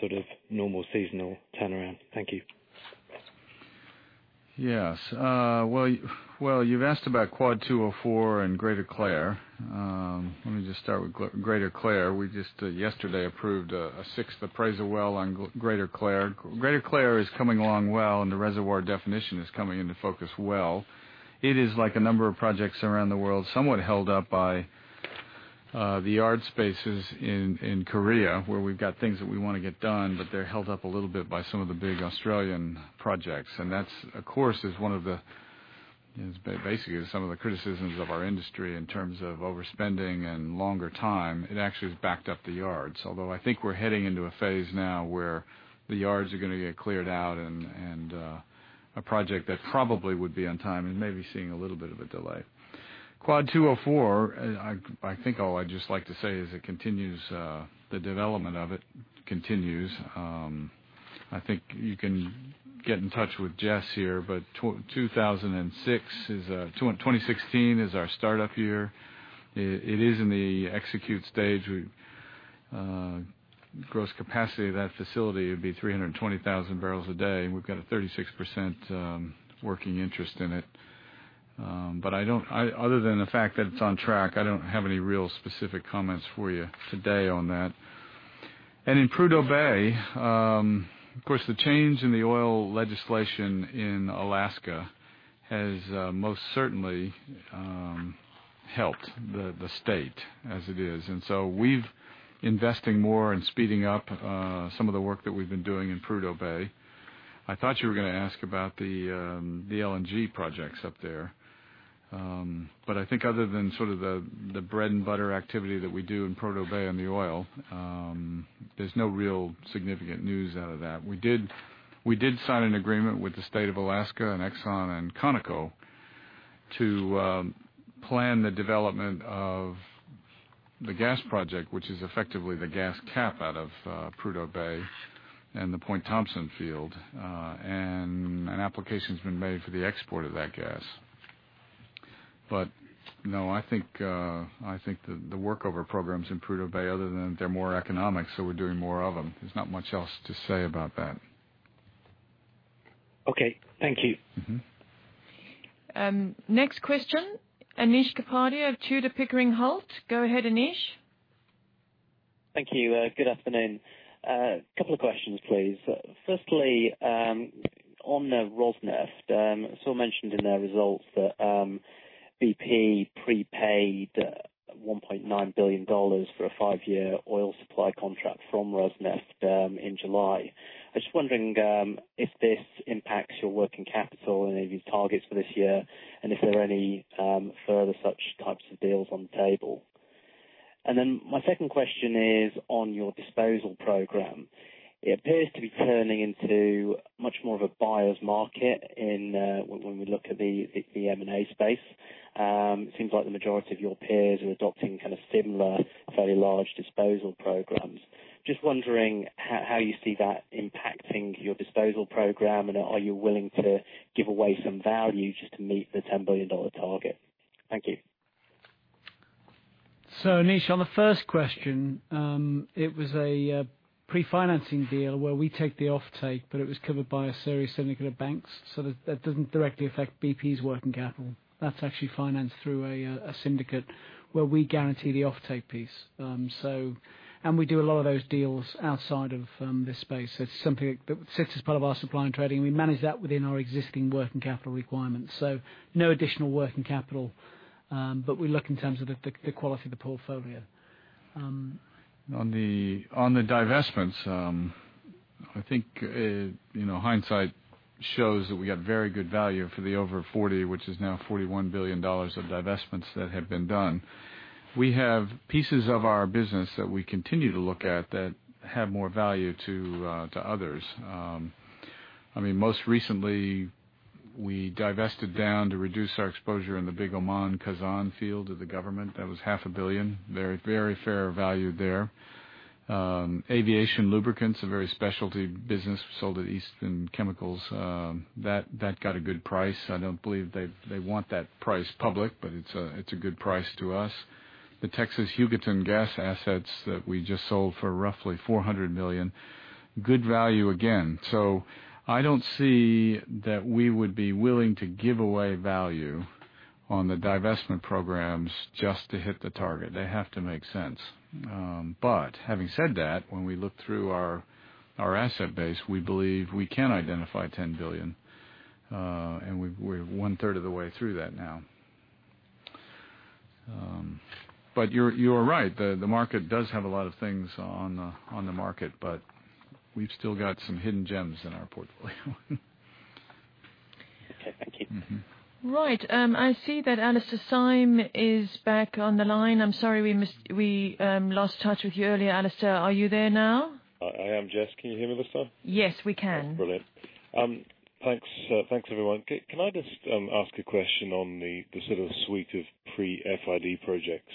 sort of normal seasonal turnaround? Thank you. Yes. Well, you've asked about Quad 204 and Greater Clair. Let me just start with Greater Clair. We just yesterday approved a sixth appraisal well on Greater Clair. Greater Clair is coming along well, and the reservoir definition is coming into focus well. It is, like a number of projects around the world, somewhat held up by the yard spaces in Korea, where we've got things that we want to get done, but they're held up a little bit by some of the big Australian projects. Basically, some of the criticisms of our industry in terms of overspending and longer time, it actually has backed up the yards. Although, I think we're heading into a phase now where the yards are going to get cleared out, and a project that probably would be on time and may be seeing a little bit of a delay. Quad 204, I think all I'd just like to say is the development of it continues. I think you can get in touch with Jess here, but 2016 is our startup year. It is in the execute stage. Gross capacity of that facility would be 320,000 barrels a day, and we've got a 36% working interest in it. Other than the fact that it's on track, I don't have any real specific comments for you today on that. In Prudhoe Bay, of course, the change in the oil legislation in Alaska has most certainly helped the state as it is. And so we're investing more and speeding up some of the work that we've been doing in Prudhoe Bay. I thought you were going to ask about the LNG projects up there. I think other than sort of the bread and butter activity that we do in Prudhoe Bay on the oil, there's no real significant news out of that. We did sign an agreement with the State of Alaska and Exxon and ConocoPhillips to plan the development of the gas project, which is effectively the gas cap out of Prudhoe Bay and the Point Thomson field. An application's been made for the export of that gas. But no, I think the workover programs in Prudhoe Bay, other than they're more economic, so we're doing more of them. There's not much else to say about that. Okay. Thank you. Next question, Anish Kapadia of Tudor, Pickering Holt. Go ahead, Anish. Thank you. Good afternoon. Couple of questions, please. Firstly, on the Rosneft, saw mentioned in their results that BP prepaid $1.9 billion for a five-year oil supply contract from Rosneft in July. I was just wondering if this impacts your working capital and your targets for this year, and if there are any further such types of deals on the table. And then my second question is on your disposal program. It appears to be turning into much more of a buyer's market when we look at the M&A space. It seems like the majority of your peers are adopting kind of similar, fairly large disposal programs. Just wondering how you see that impacting your disposal program, and are you willing to give away some value just to meet the $10 billion target? Thank you. Anish, on the first question, it was a pre-financing deal where we take the offtake, but it was covered by a series syndicate of banks. That doesn't directly affect BP's working capital. That's actually financed through a syndicate where we guarantee the offtake piece. We do a lot of those deals outside of this space. It's something that sits as part of our supply and trading. We manage that within our existing working capital requirements. No additional working capital. We look in terms of the quality of the portfolio. On the divestments, I think hindsight shows that we got very good value for the over 40, which is now $41 billion of divestments that have been done. We have pieces of our business that we continue to look at that have more value to others. Most recently, we divested down to reduce our exposure in the big Oman Khazzan field to the government. That was half a billion. Very fair value there. Aviation lubricants, a very specialty business, we sold to Eastman Chemical. That got a good price. I don't believe they want that price public, but it's a good price to us. The Texas Hugoton gas assets that we just sold for roughly $400 million. Good value again. I don't see that we would be willing to give away value on the divestment programs just to hit the target. They have to make sense. Having said that, when we look through our asset base, we believe we can identify $10 billion, and we're one third of the way through that now. You are right, the market does have a lot of things on the market, but we've still got some hidden gems in our portfolio. Okay, thank you. Right. I see that Alastair Syme is back on the line. I'm sorry we lost touch with you earlier, Alastair. Are you there now? I am, Jess. Can you hear me this time? Yes, we can. That's brilliant. Thanks everyone. Can I just ask a question on the sort of suite of pre-FID projects?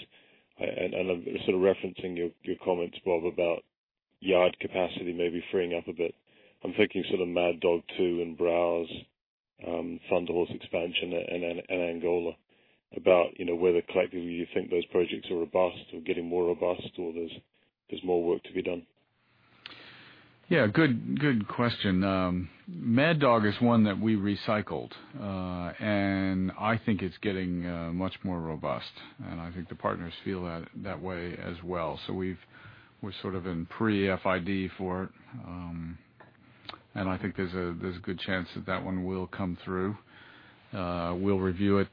I'm sort of referencing your comments, Bob, about yard capacity maybe freeing up a bit. I'm thinking sort of Mad Dog Two and Browse, Thunder Horse expansion in Angola. About whether collectively you think those projects are robust or getting more robust, or there's more work to be done. Yeah, good question. Mad Dog is one that we recycled, and I think it's getting much more robust. I think the partners feel that way as well. We're sort of in pre-FID for it. I think there's a good chance that that one will come through. We'll review it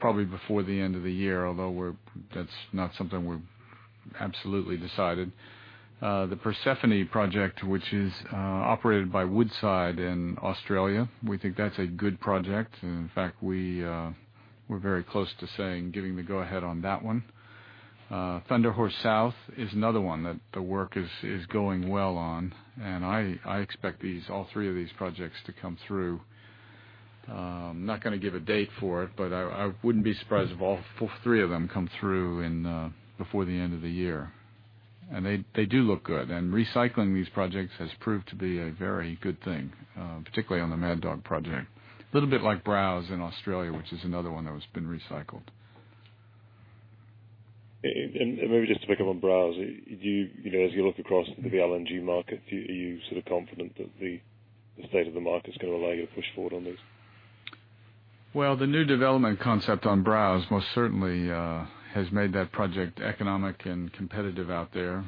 probably before the end of the year, although that's not something we've absolutely decided. The Persephone project, which is operated by Woodside in Australia, we think that's a good project. In fact, we're very close to saying, giving the go-ahead on that one. Thunder Horse South is another one that the work is going well on, and I expect all three of these projects to come through. I'm not going to give a date for it, but I wouldn't be surprised if all three of them come through before the end of the year. They do look good. Recycling these projects has proved to be a very good thing, particularly on the Mad Dog project. A little bit like Browse in Australia, which is another one that has been recycled. Maybe just to pick up on Browse. As you look across the LNG market, are you sort of confident that the state of the market is going to allow you to push forward on these? Well, the new development concept on Browse most certainly has made that project economic and competitive out there.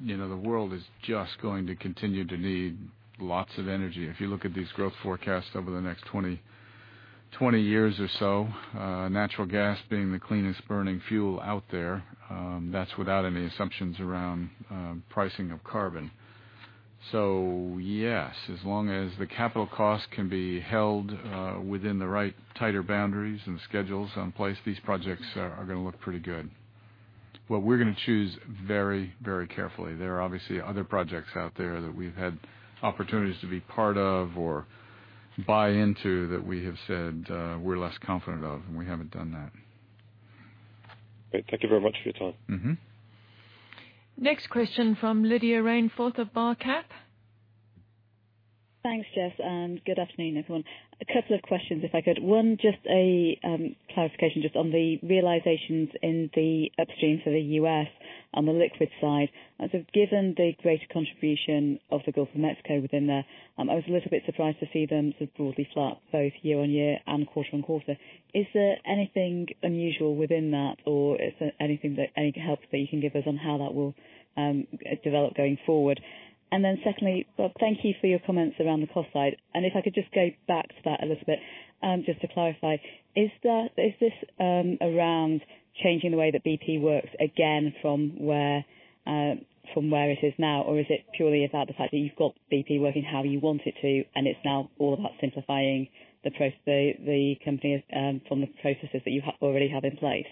The world is just going to continue to need lots of energy. If you look at these growth forecasts over the next 20 years or so, natural gas being the cleanest burning fuel out there, that's without any assumptions around pricing of carbon. Yes, as long as the capital cost can be held within the right tighter boundaries and schedules in place, these projects are going to look pretty good. We're going to choose very carefully. There are obviously other projects out there that we've had opportunities to be part of or buy into that we have said we're less confident of, and we haven't done that. Great. Thank you very much for your time. Next question from Lydia Rainforth of Barclays. Thanks, Jess, and good afternoon, everyone. A couple of questions if I could. One, just a clarification just on the realizations in the upstream for the U.S. on the liquid side. Given the greater contribution of the Gulf of Mexico within there, I was a little bit surprised to see them sort of broadly flat both year-over-year and quarter-over-quarter. Is there anything unusual within that, or is there any help that you can give us on how that will develop going forward? Secondly, Bob, thank you for your comments around the cost side. If I could just go back to that a little bit, just to clarify, is this around changing the way that BP works again from where it is now? Is it purely about the fact that you've got BP working how you want it to, and it's now all about simplifying the company from the processes that you already have in place?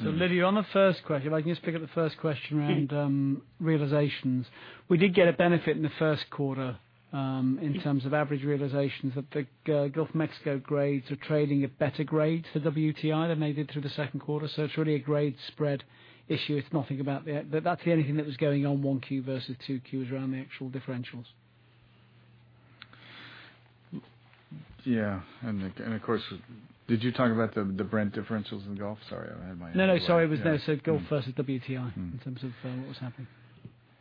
Lydia, if I can just pick up the first question around realizations. We did get a benefit in the first quarter, in terms of average realizations that the Gulf of Mexico grades are trading at better grades for WTI than they did through the second quarter. It's really a grade spread issue. That's the only thing that was going on 1Q versus 2Q is around the actual differentials. Yeah. Of course, did you talk about the Brent differentials in Gulf? Sorry, I had my No, sorry. I said Gulf versus WTI in terms of what was happening.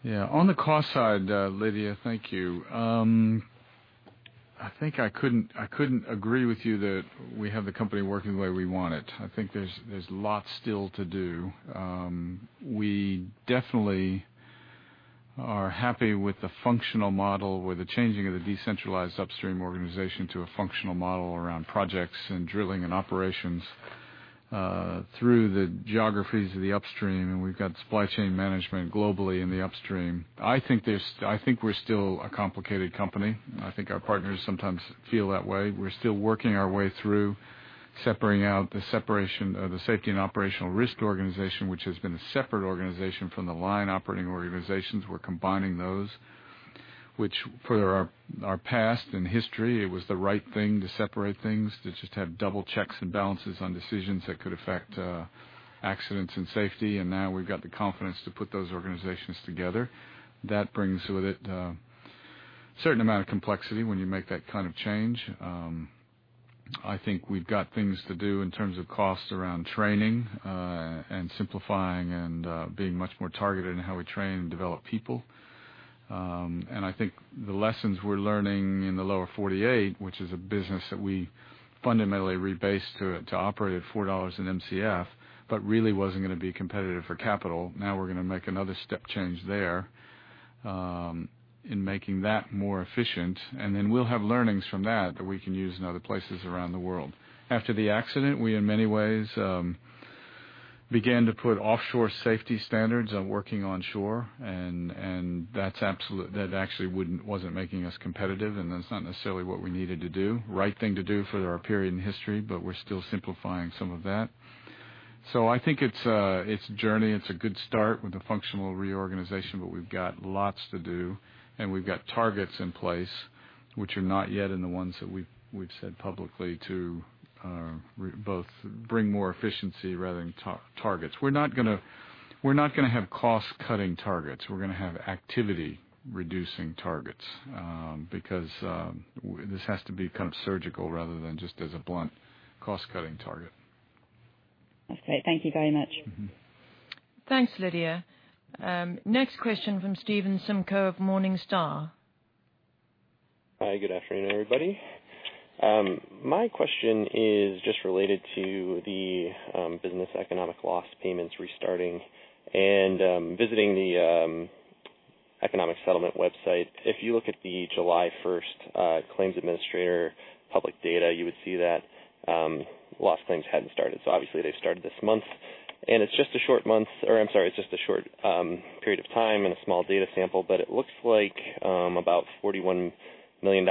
Yeah. On the cost side, Lydia, thank you. I think I couldn't agree with you that we have the company working the way we want it. I think there's lots still to do. We definitely are happy with the functional model, with the changing of the decentralized upstream organization to a functional model around projects and drilling and operations through the geographies of the upstream, and we've got supply chain management globally in the upstream. I think we're still a complicated company. I think our partners sometimes feel that way. We're still working our way through separating out the separation of the safety and operational risk organization, which has been a separate organization from the line operating organizations. We're combining those, which for our past and history, it was the right thing to separate things, to just have double checks and balances on decisions that could affect accidents and safety. Now we've got the confidence to put those organizations together. That brings with it a certain amount of complexity when you make that kind of change. I think we've got things to do in terms of costs around training, and simplifying and being much more targeted in how we train and develop people. I think the lessons we're learning in the Lower 48, which is a business that we fundamentally rebased to operate at $4 in Mcf, but really wasn't going to be competitive for capital. Now we're going to make another step change there in making that more efficient, and then we'll have learnings from that we can use in other places around the world. After the accident, we, in many ways, began to put offshore safety standards on working onshore, and that actually wasn't making us competitive, and that's not necessarily what we needed to do. Right thing to do for our period in history, but we're still simplifying some of that. I think it's a journey. It's a good start with the functional reorganization, but we've got lots to do and we've got targets in place which are not yet in the ones that we've said publicly to both bring more efficiency rather than targets. We're not going to have cost-cutting targets. We're going to have activity-reducing targets, because this has to be kind of surgical rather than just as a blunt cost-cutting target. Okay. Thank you very much. Thanks, Lydia. Next question from Stephen Simko of Morningstar. Hi, good afternoon, everybody. My question is just related to the business economic loss payments restarting and visiting the economic settlement website. If you look at the July 1st claims administrator public data, you would see that loss claims hadn't started. Obviously they started this month, and it's just a short period of time and a small data sample, but it looks like about $41 million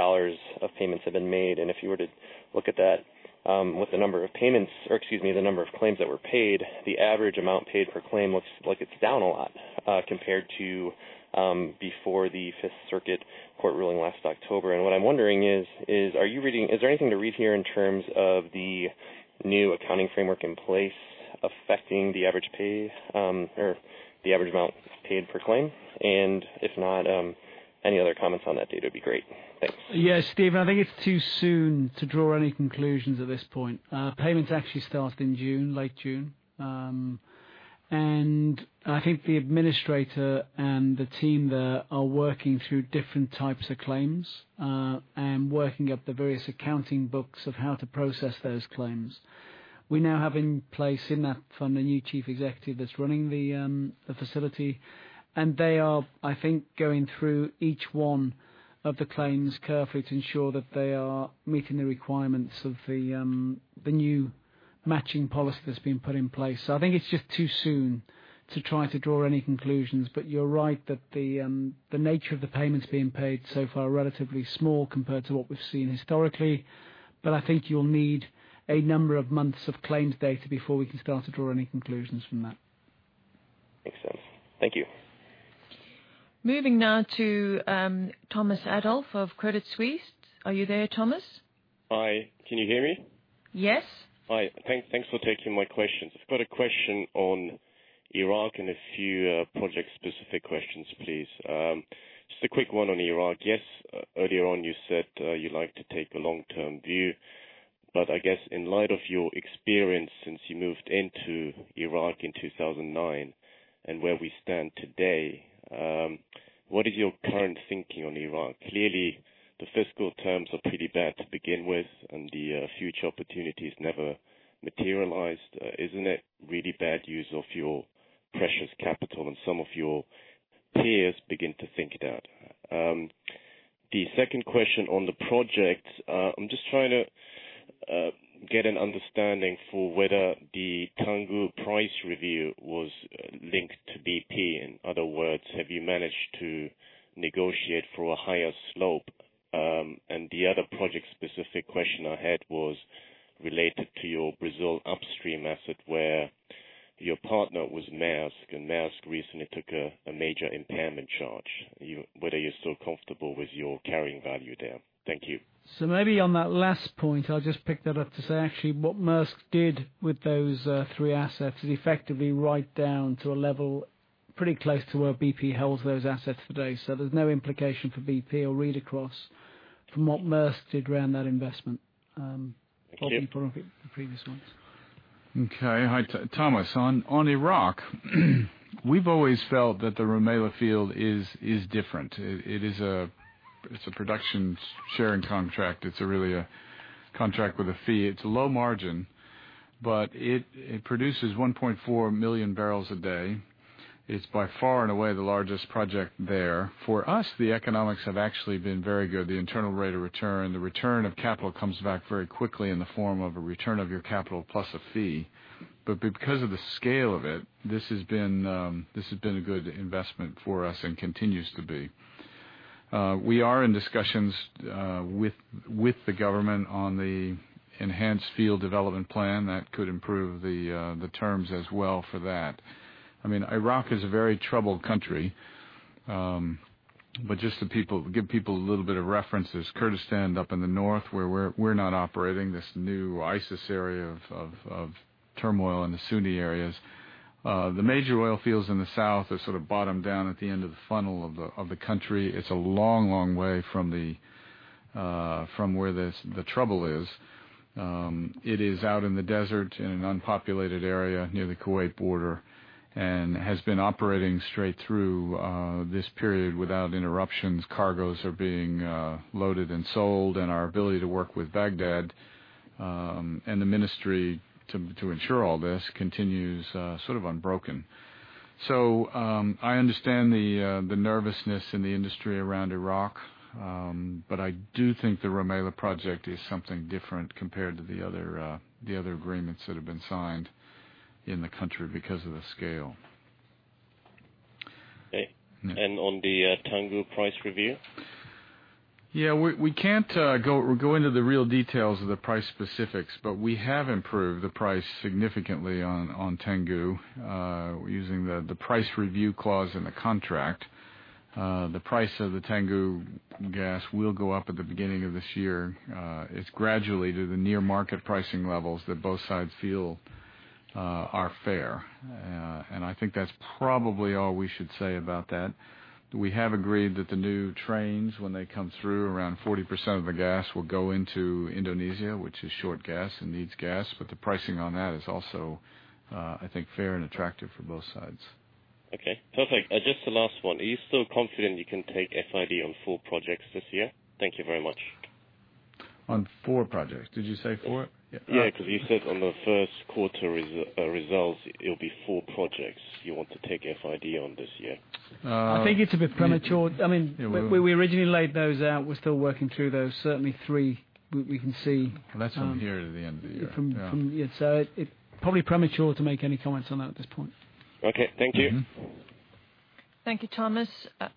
of payments have been made. If you were to look at that with the number of payments, or excuse me, the number of claims that were paid, the average amount paid per claim looks like it's down a lot compared to before the Fifth Circuit Court ruling last October. What I'm wondering is there anything to read here in terms of the new accounting framework in place affecting the average pay, or the average amount paid per claim? if not, any other comments on that data would be great. Thanks. Yeah, Stephen, I think it's too soon to draw any conclusions at this point. Payments actually start in June, late June. I think the administrator and the team there are working through different types of claims, and working up the various accounting books of how to process those claims. We now have in place, in that fund, a new chief executive that's running the facility. they are, I think, going through each one of the claims carefully to ensure that they are meeting the requirements of the new matching policy that's been put in place. I think it's just too soon to try to draw any conclusions. you're right that the nature of the payments being paid so far are relatively small compared to what we've seen historically. I think you'll need a number of months of claims data before we can start to draw any conclusions from that. Makes sense. Thank you. Moving now to Thomas Adolff of Credit Suisse. Are you there, Thomas? Hi, can you hear me? Yes. Hi. Thanks for taking my questions. I've got a question on Iraq and a few project-specific questions, please. Just a quick one on Iraq. Yes, earlier on you said you like to take a long-term view, but I guess in light of your experience since you moved into Iraq in 2009 and where we stand today, what is your current thinking on Iraq? Clearly, the fiscal terms are pretty bad to begin with, and the future opportunities never materialized. Isn't it really bad use of your precious capital and some of your peers begin to think it out? The second question on the project, I'm just trying to get an understanding for whether the Tangguh price review was linked to BP. In other words, have you managed to negotiate for a higher slope? the other project-specific question I had was related to your Brazil upstream asset where your partner was Maersk, and Maersk recently took a major impairment charge. Whether you're still comfortable with your carrying value there. Thank you. maybe on that last point, I'll just pick that up to say, actually, what Maersk did with those three assets is effectively write down to a level pretty close to where BP holds those assets today. There's no implication for BP or read across from what Maersk did around that investment- Thank you apart from the previous ones. Okay. Hi, Thomas. On Iraq, we've always felt that the Rumaila field is different. It's a production sharing contract. It's really a contract with a fee. It's a low margin, but it produces 1.4 million barrels a day. It's by far and away the largest project there. For us, the economics have actually been very good. The internal rate of return, the return of capital comes back very quickly in the form of a return of your capital plus a fee. But because of the scale of it, this has been a good investment for us and continues to be. We are in discussions with the government on the enhanced field development plan that could improve the terms as well for that. Iraq is a very troubled country, but just to give people a little bit of references. Kurdistan up in the north, where we're not operating this new ISIS area of turmoil in the Sunni areas. The major oil fields in the South are sort of bottom down at the end of the funnel of the country. It's a long way from where the trouble is. It is out in the desert in an unpopulated area near the Kuwait border and has been operating straight through this period without interruptions. Cargoes are being loaded and sold, and our ability to work with Baghdad, and the Ministry to ensure all this continues unbroken. I understand the nervousness in the industry around Iraq, but I do think the Rumaila project is something different compared to the other agreements that have been signed in the country because of the scale. Okay. On the Tangguh price review? Yeah, we can't go into the real details of the price specifics, but we have improved the price significantly on Tangguh, using the price review clause in the contract. The price of the Tangguh gas will go up at the beginning of this year. It's gradually to the near market pricing levels that both sides feel are fair. I think that's probably all we should say about that. We have agreed that the new trains, when they come through, around 40% of the gas will go into Indonesia, which is short gas and needs gas. The pricing on that is also, I think, fair and attractive for both sides. Okay, perfect. Just the last one. Are you still confident you can take FID on four projects this year? Thank you very much. On four projects. Did you say four? Yeah, because you said on the first quarter results, it'll be four projects you want to take FID on this year. I think it's a bit premature. We originally laid those out. We're still working through those, certainly three we can see- That's from here to the end of the year. Yeah from, yeah. It probably premature to make any comments on that at this point. Okay. Thank you. Thank you, Thomas.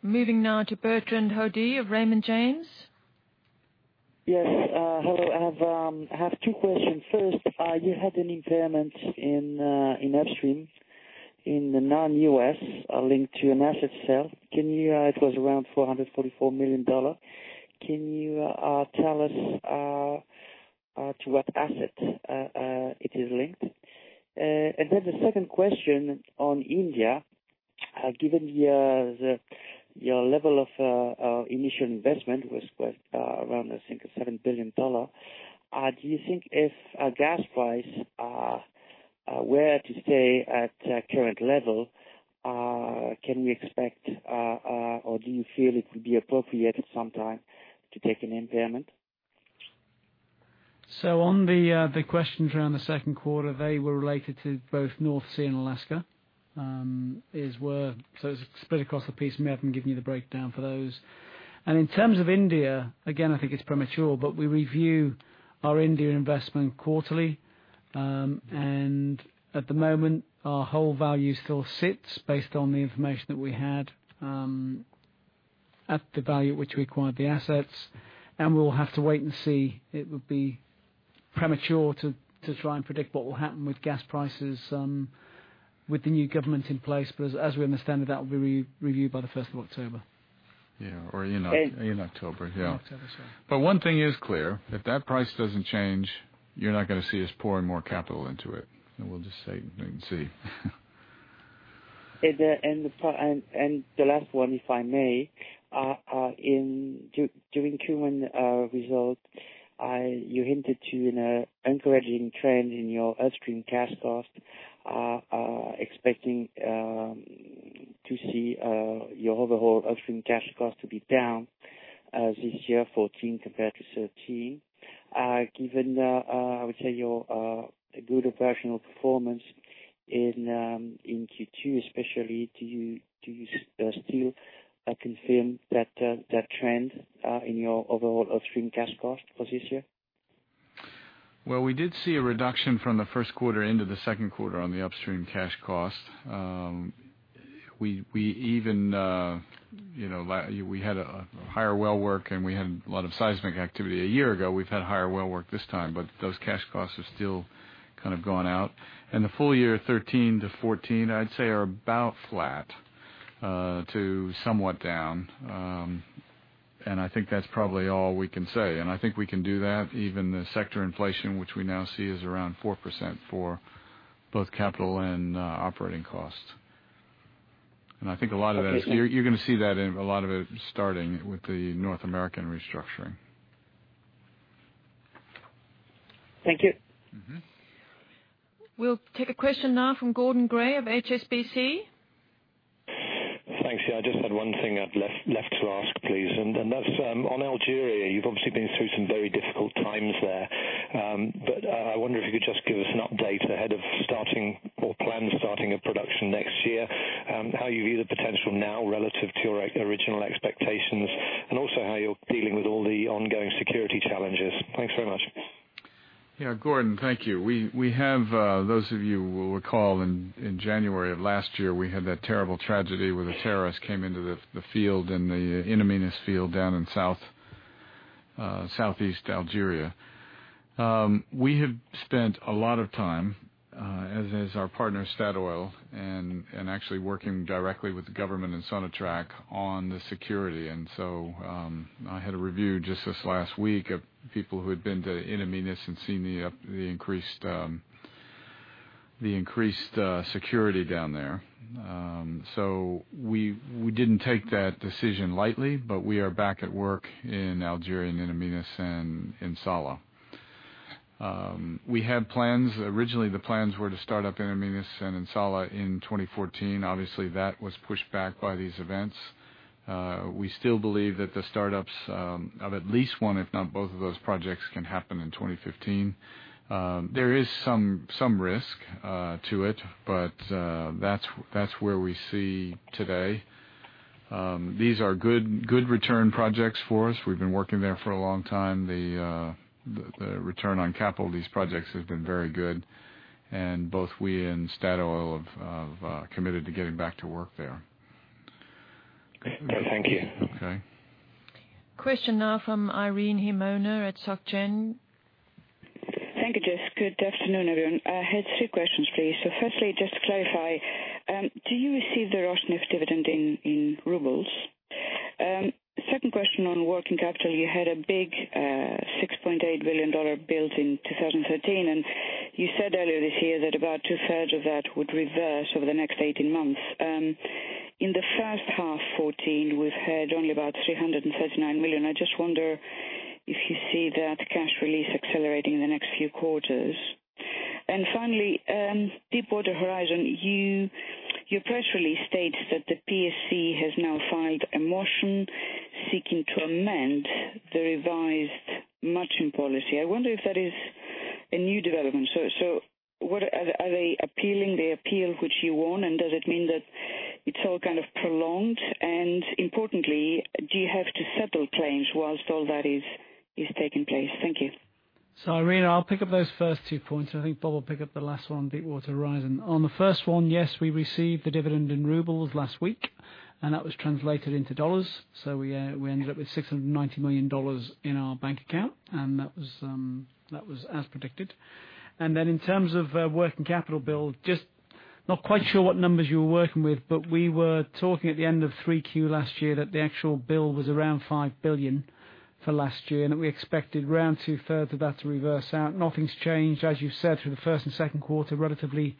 Moving now to Bertrand Hodee of Raymond James. Yes. Hello. I have two questions. First, you had an impairment in upstream in the non-U.S. linked to an asset sale. It was around $444 million. Can you tell us to what asset it is linked? then the second question on India, given your level of initial investment was around, I think, $7 billion. Do you think if gas price were to stay at current level, can we expect or do you feel it would be appropriate at some time to take an impairment? On the questions around the second quarter, they were related to both North Sea and Alaska. It's split across the piece. Maybe I can give you the breakdown for those. In terms of India, again, I think it's premature, but we review our India investment quarterly. At the moment, our whole value still sits based on the information that we had at the value at which we acquired the assets. We'll have to wait and see. It would be premature to try and predict what will happen with gas prices with the new government in place. As we understand it, that will be reviewed by the 1st of October. Yeah. In October. Yeah. In October. Sorry. One thing is clear. If that price doesn't change, you're not going to see us pouring more capital into it. We'll just say wait and see. The last one, if I may. During Q1 result, you hinted to an encouraging trend in your upstream cash cost, expecting to see your overall upstream cash cost to be down this year, 2014 compared to 2013. Given, I would say, your good operational performance in Q2 especially, do you still confirm that trend in your overall upstream cash cost for this year? Well, we did see a reduction from the first quarter into the second quarter on the upstream cash cost. We had a higher well work, and we had a lot of seismic activity a year ago. We've had higher well work this time, but those cash costs have still kind of gone out. The full year 2013 to 2014, I'd say, are about flat to somewhat down. I think that's probably all we can say. I think we can do that even the sector inflation, which we now see is around 4% for both capital and operating costs. I think a lot of that- Okay. You're going to see that a lot of it starting with the North American restructuring. Thank you. We'll take a question now from Gordon Gray of HSBC. Thanks. Yeah, I just had one thing I'd left to ask, please, and that's on Algeria. You've obviously been through some very difficult times there. I wonder if you could just give us an update ahead of starting, or plan starting a production next year, how you view the potential now relative to your original expectations, and also how you're dealing with all the ongoing security challenges. Thanks very much. Yeah, Gordon, thank you. Those of you who will recall, in January of last year, we had that terrible tragedy where the terrorists came into the In Amenas field down in southeast Algeria. We have spent a lot of time, as has our partner, Statoil, and actually working directly with the government in Sonatrach on the security. I had a review just this last week of people who had been to In Amenas and seen the increased security down there. We didn't take that decision lightly, but we are back at work in Algeria, in In Amenas and In Salah. We had plans. Originally the plans were to start up in In Amenas and In Salah in 2014. Obviously, that was pushed back by these events. We still believe that the startups of at least one, if not both of those projects can happen in 2015. There is some risk to it, but that's where we see today. These are good return projects for us. We've been working there for a long time. The return on capital of these projects has been very good. Both we and Statoil have committed to getting back to work there. Okay. Thank you. Okay. Question now from Irene Himona at Société Générale. Thank you, Jess. Good afternoon, everyone. I had two questions, please. Firstly, just to clarify, do you receive the Rosneft dividend in rubles? Second question on working capital, you had a big, $6.8 billion built in 2013, and you said earlier this year that about two-thirds of that would reverse over the next 18 months. In the first half '14, we've heard only about 339 million. I just wonder if you see that cash release accelerating in the next few quarters. And finally, Deepwater Horizon, your press release states that the PSC has now filed a motion seeking to amend the revised matching policy. I wonder if that is a new development. Are they appealing the appeal which you won, and does it mean that it's all kind of prolonged? And importantly, do you have to settle claims whilst all that is taking place? Thank you. Irene, I'll pick up those first two points. I think Bob will pick up the last one, Deepwater Horizon. On the first one, yes, we received the dividend in rubles last week, and that was translated into dollars. We ended up with $690 million in our bank account, and that was as predicted. Then in terms of working capital build, just not quite sure what numbers you were working with, but we were talking at the end of 3Q last year that the actual build was around 5 billion for last year, and that we expected around two-thirds of that to reverse out. Nothing's changed. As you've said, through the first and second quarter, a relatively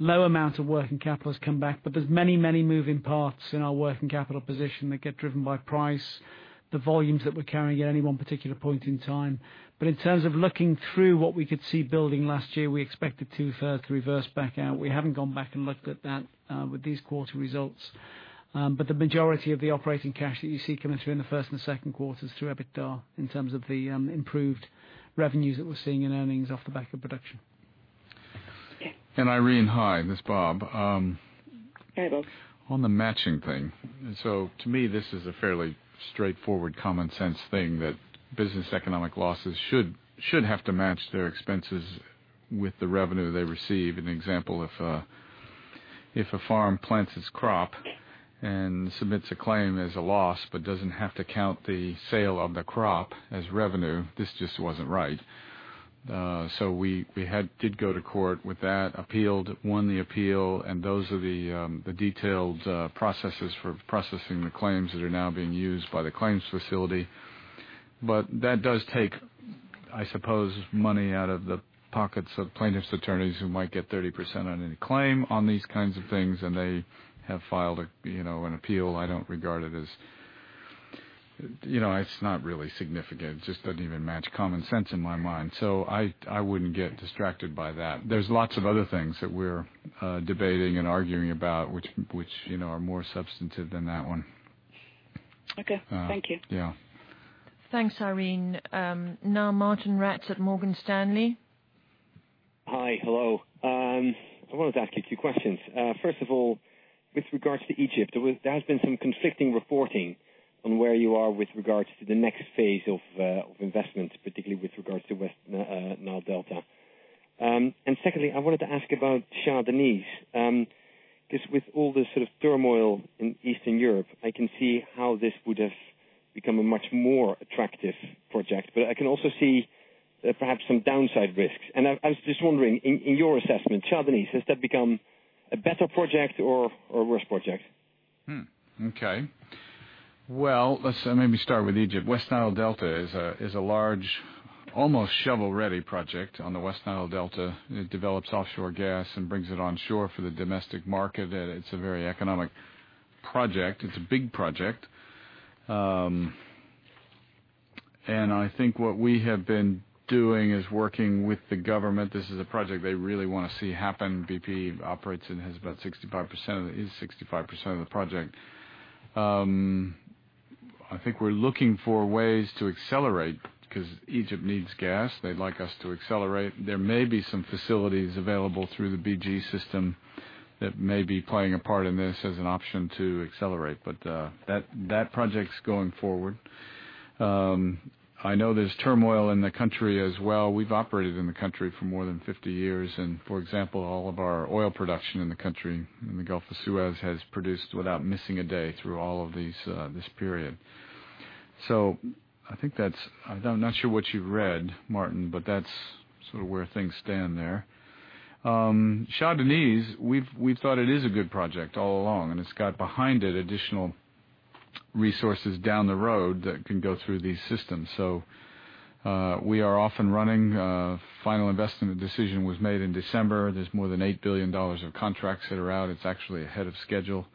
low amount of working capital has come back, but there's many moving parts in our working capital position that get driven by price, the volumes that we're carrying at any one particular point in time. In terms of looking through what we could see building last year, we expected two-thirds to reverse back out. We haven't gone back and looked at that with these quarter results. The majority of the operating cash that you see coming through in the first and second quarter is through EBITDA in terms of the improved revenues that we're seeing in earnings off the back of production. Okay. Irene, hi. This is Bob. Hi, Bob. On the matching thing, and so to me, this is a fairly straightforward common-sense thing that business economic losses should have to match their expenses with the revenue they receive. An example, if a farm plants its crop and submits a claim as a loss but doesn't have to count the sale of the crop as revenue, this just wasn't right. We did go to court with that, appealed, won the appeal, and those are the detailed processes for processing the claims that are now being used by the claims facility. That does take, I suppose, money out of the pockets of plaintiffs' attorneys who might get 30% on any claim on these kinds of things, and they have filed an appeal. It's not really significant. It just doesn't even match common sense in my mind. I wouldn't get distracted by that. There's lots of other things that we're debating and arguing about, which are more substantive than that one. Okay. Thank you. Yeah. Thanks, Irene. Now Martijn Rats at Morgan Stanley. Hi. Hello. I wanted to ask a few questions. First of all, with regards to Egypt, there has been some conflicting reporting on where you are with regards to the next phase of investments, particularly with regards to West Nile Delta. Secondly, I wanted to ask about Shah Deniz. With all the sort of turmoil in Eastern Europe, I can see how this would have become a much more attractive project. I can also see perhaps some downside risks. I was just wondering, in your assessment, Shah Deniz, has that become a better project or a worse project? Okay. Well, let me start with Egypt. West Nile Delta is a large, almost shovel-ready project on the West Nile Delta. It develops offshore gas and brings it onshore for the domestic market. It's a very economic project. It's a big project. And I think what we have been doing is working with the government. This is a project they really want to see happen. BP operates and has about 65% of the project. I think we're looking for ways to accelerate, because Egypt needs gas. They'd like us to accelerate. There may be some facilities available through the BG system that may be playing a part in this as an option to accelerate. But that project's going forward. I know there's turmoil in the country as well. We've operated in the country for more than 50 years. For example, all of our oil production in the country, in the Gulf of Suez, has produced without missing a day through all of this period. So I'm not sure what you've read, Martijn, but that's sort of where things stand there. Shah Deniz, we've thought it is a good project all along, and it's got behind it additional resources down the road that can go through these systems. So, we are off and running. Final investment decision was made in December. There's more than 8 billion dollars of contracts that are out. It's actually ahead of schedule.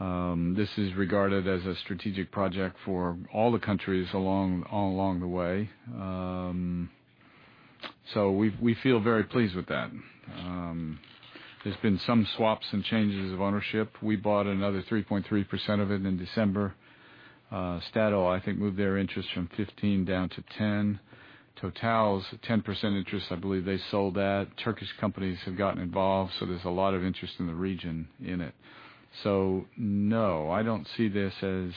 This is regarded as a strategic project for all the countries all along the way. So we feel very pleased with that. There's been some swaps and changes of ownership. We bought another 3.3% of it in December. Statoil, I think, moved their interest from 15 down to 10. Total's 10% interest, I believe they sold that. Turkish companies have gotten involved, so there's a lot of interest in the region in it. So no, I don't see this as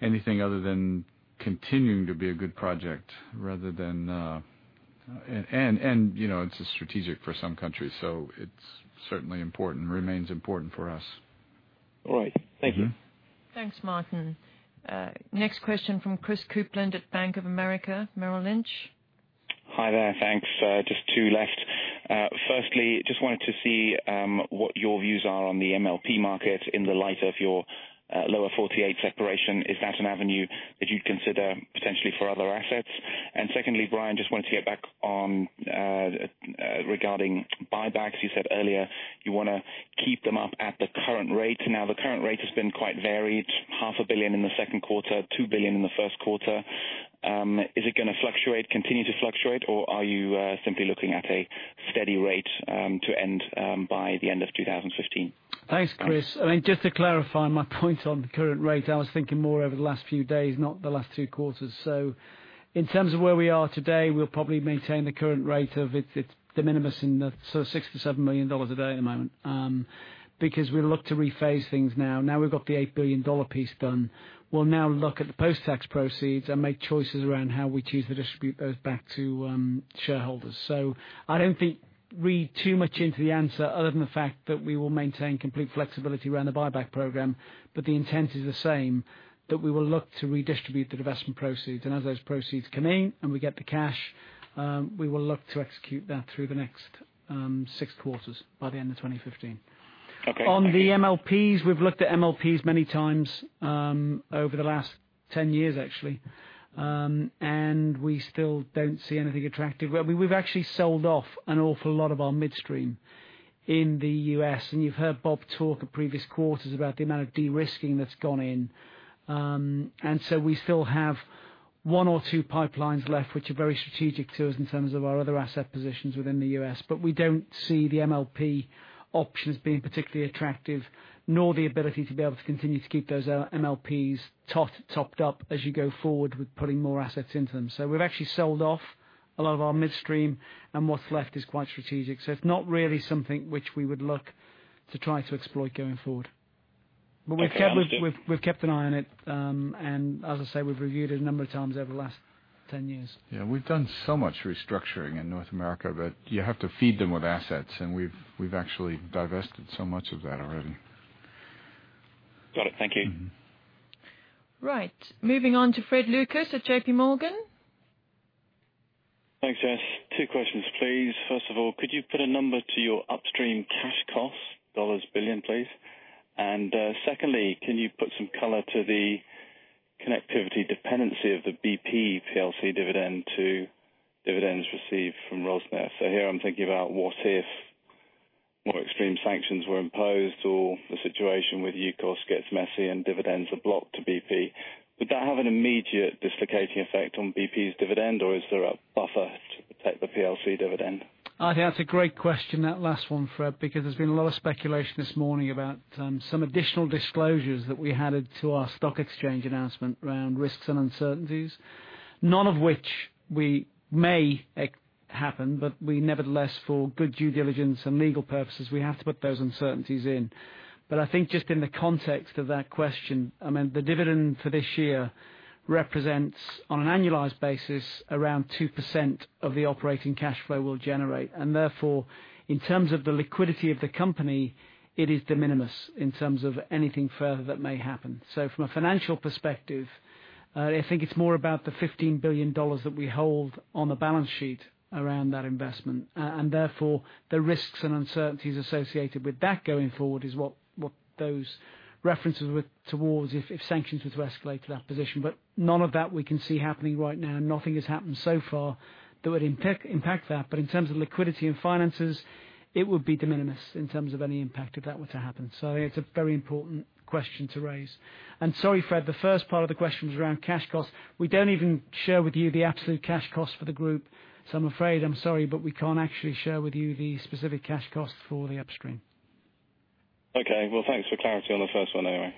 anything other than continuing to be a good project rather than it's strategic for some countries, so it's certainly important. Remains important for us. All right. Thank you. Thanks, Martijn. Next question from Chris Kuplent at Bank of America Merrill Lynch. Hi there. Thanks. Just two left. Firstly, just wanted to see what your views are on the MLP market in the light of your Lower 48 separation. Is that an avenue that you'd consider potentially for other assets? Secondly, Brian, just wanted to get back on regarding buybacks. You said earlier you want to keep them up at the current rate. Now, the current rate has been quite varied, half a billion in the second quarter, 2 billion in the first quarter. Is it going to fluctuate, continue to fluctuate, or are you simply looking at a steady rate to end by the end of 2015? Thanks, Chris. I mean, just to clarify my point on the current rate, I was thinking more over the last few days, not the last 2 quarters. In terms of where we are today, we'll probably maintain the current rate of, it's de minimis, so $6 million-$7 million a day at the moment, because we look to rephase things now. Now we've got the $8 billion piece done. We'll now look at the post-tax proceeds and make choices around how we choose to distribute those back to shareholders. I don't think read too much into the answer other than the fact that we will maintain complete flexibility around the buyback program, but the intent is the same, that we will look to redistribute the divestment proceeds. As those proceeds come in and we get the cash, we will look to execute that through the next six quarters by the end of 2015. Okay. On the MLPs, we've looked at MLPs many times over the last 10 years, actually. We still don't see anything attractive. We've actually sold off an awful lot of our midstream in the U.S., and you've heard Bob talk at previous quarters about the amount of de-risking that's gone in. We still have one or two pipelines left, which are very strategic to us in terms of our other asset positions within the U.S. We don't see the MLP options being particularly attractive, nor the ability to be able to continue to keep those MLPs topped up as you go forward with putting more assets into them. We've actually sold off a lot of our midstream, and what's left is quite strategic. It's not really something which we would look to try to exploit going forward. We've kept an eye on it, and as I say, we've reviewed it a number of times over the last 10 years. Yeah, we've done so much restructuring in North America, but you have to feed them with assets, and we've actually divested so much of that already. Got it. Thank you. Right. Moving on to Fred Lucas at J.P. Morgan. Thanks, Jess. Two questions, please. First of all, could you put a number to your upstream cash costs, dollars billion, please? Secondly, can you put some color to the connectivity dependency of the BP PLC dividend to dividends received from Rosneft? So here I'm thinking about what if more extreme sanctions were imposed or the situation with Yukos gets messy and dividends are blocked to BP. Would that have an immediate dislocating effect on BP's dividend, or is there a buffer to protect the PLC dividend? I'd say that's a great question, that last one, Fred, because there's been a lot of speculation this morning about some additional disclosures that we added to our stock exchange announcement around risks and uncertainties. None of which may happen, but we nevertheless, for good due diligence and legal purposes, we have to put those uncertainties in. I think just in the context of that question, I mean, the dividend for this year represents, on an annualized basis, around 2% of the operating cash flow we'll generate. Therefore, in terms of the liquidity of the company, it is de minimis in terms of anything further that may happen. From a financial perspective, I think it's more about the $15 billion that we hold on the balance sheet around that investment. Therefore, the risks and uncertainties associated with that going forward is what those references were towards if sanctions were to escalate to that position. None of that we can see happening right now. Nothing has happened so far that would impact that. In terms of liquidity and finances, it would be de minimis in terms of any impact if that were to happen. It's a very important question to raise. Sorry, Fred, the first part of the question was around cash costs. We don't even share with you the absolute cash costs for the group, so I'm afraid, I'm sorry, but we can't actually share with you the specific cash costs for the upstream. Okay. Well, thanks for clarity on the first one anyway.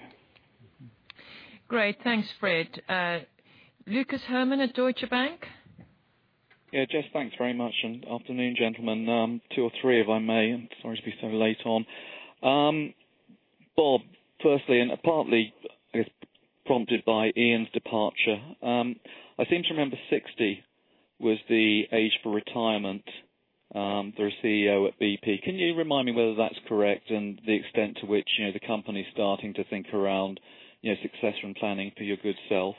Great. Thanks, Fred. Lucas Herrmann at Deutsche Bank. Yeah, Jess, thanks very much, and afternoon, gentlemen. Two or three, if I may. I'm sorry to be so late on. Bob, firstly, and partly, I guess, prompted by Ian's departure. I seem to remember 60 was the age for retirement for a CEO at BP. Can you remind me whether that's correct and the extent to which the company's starting to think around succession planning for your good self?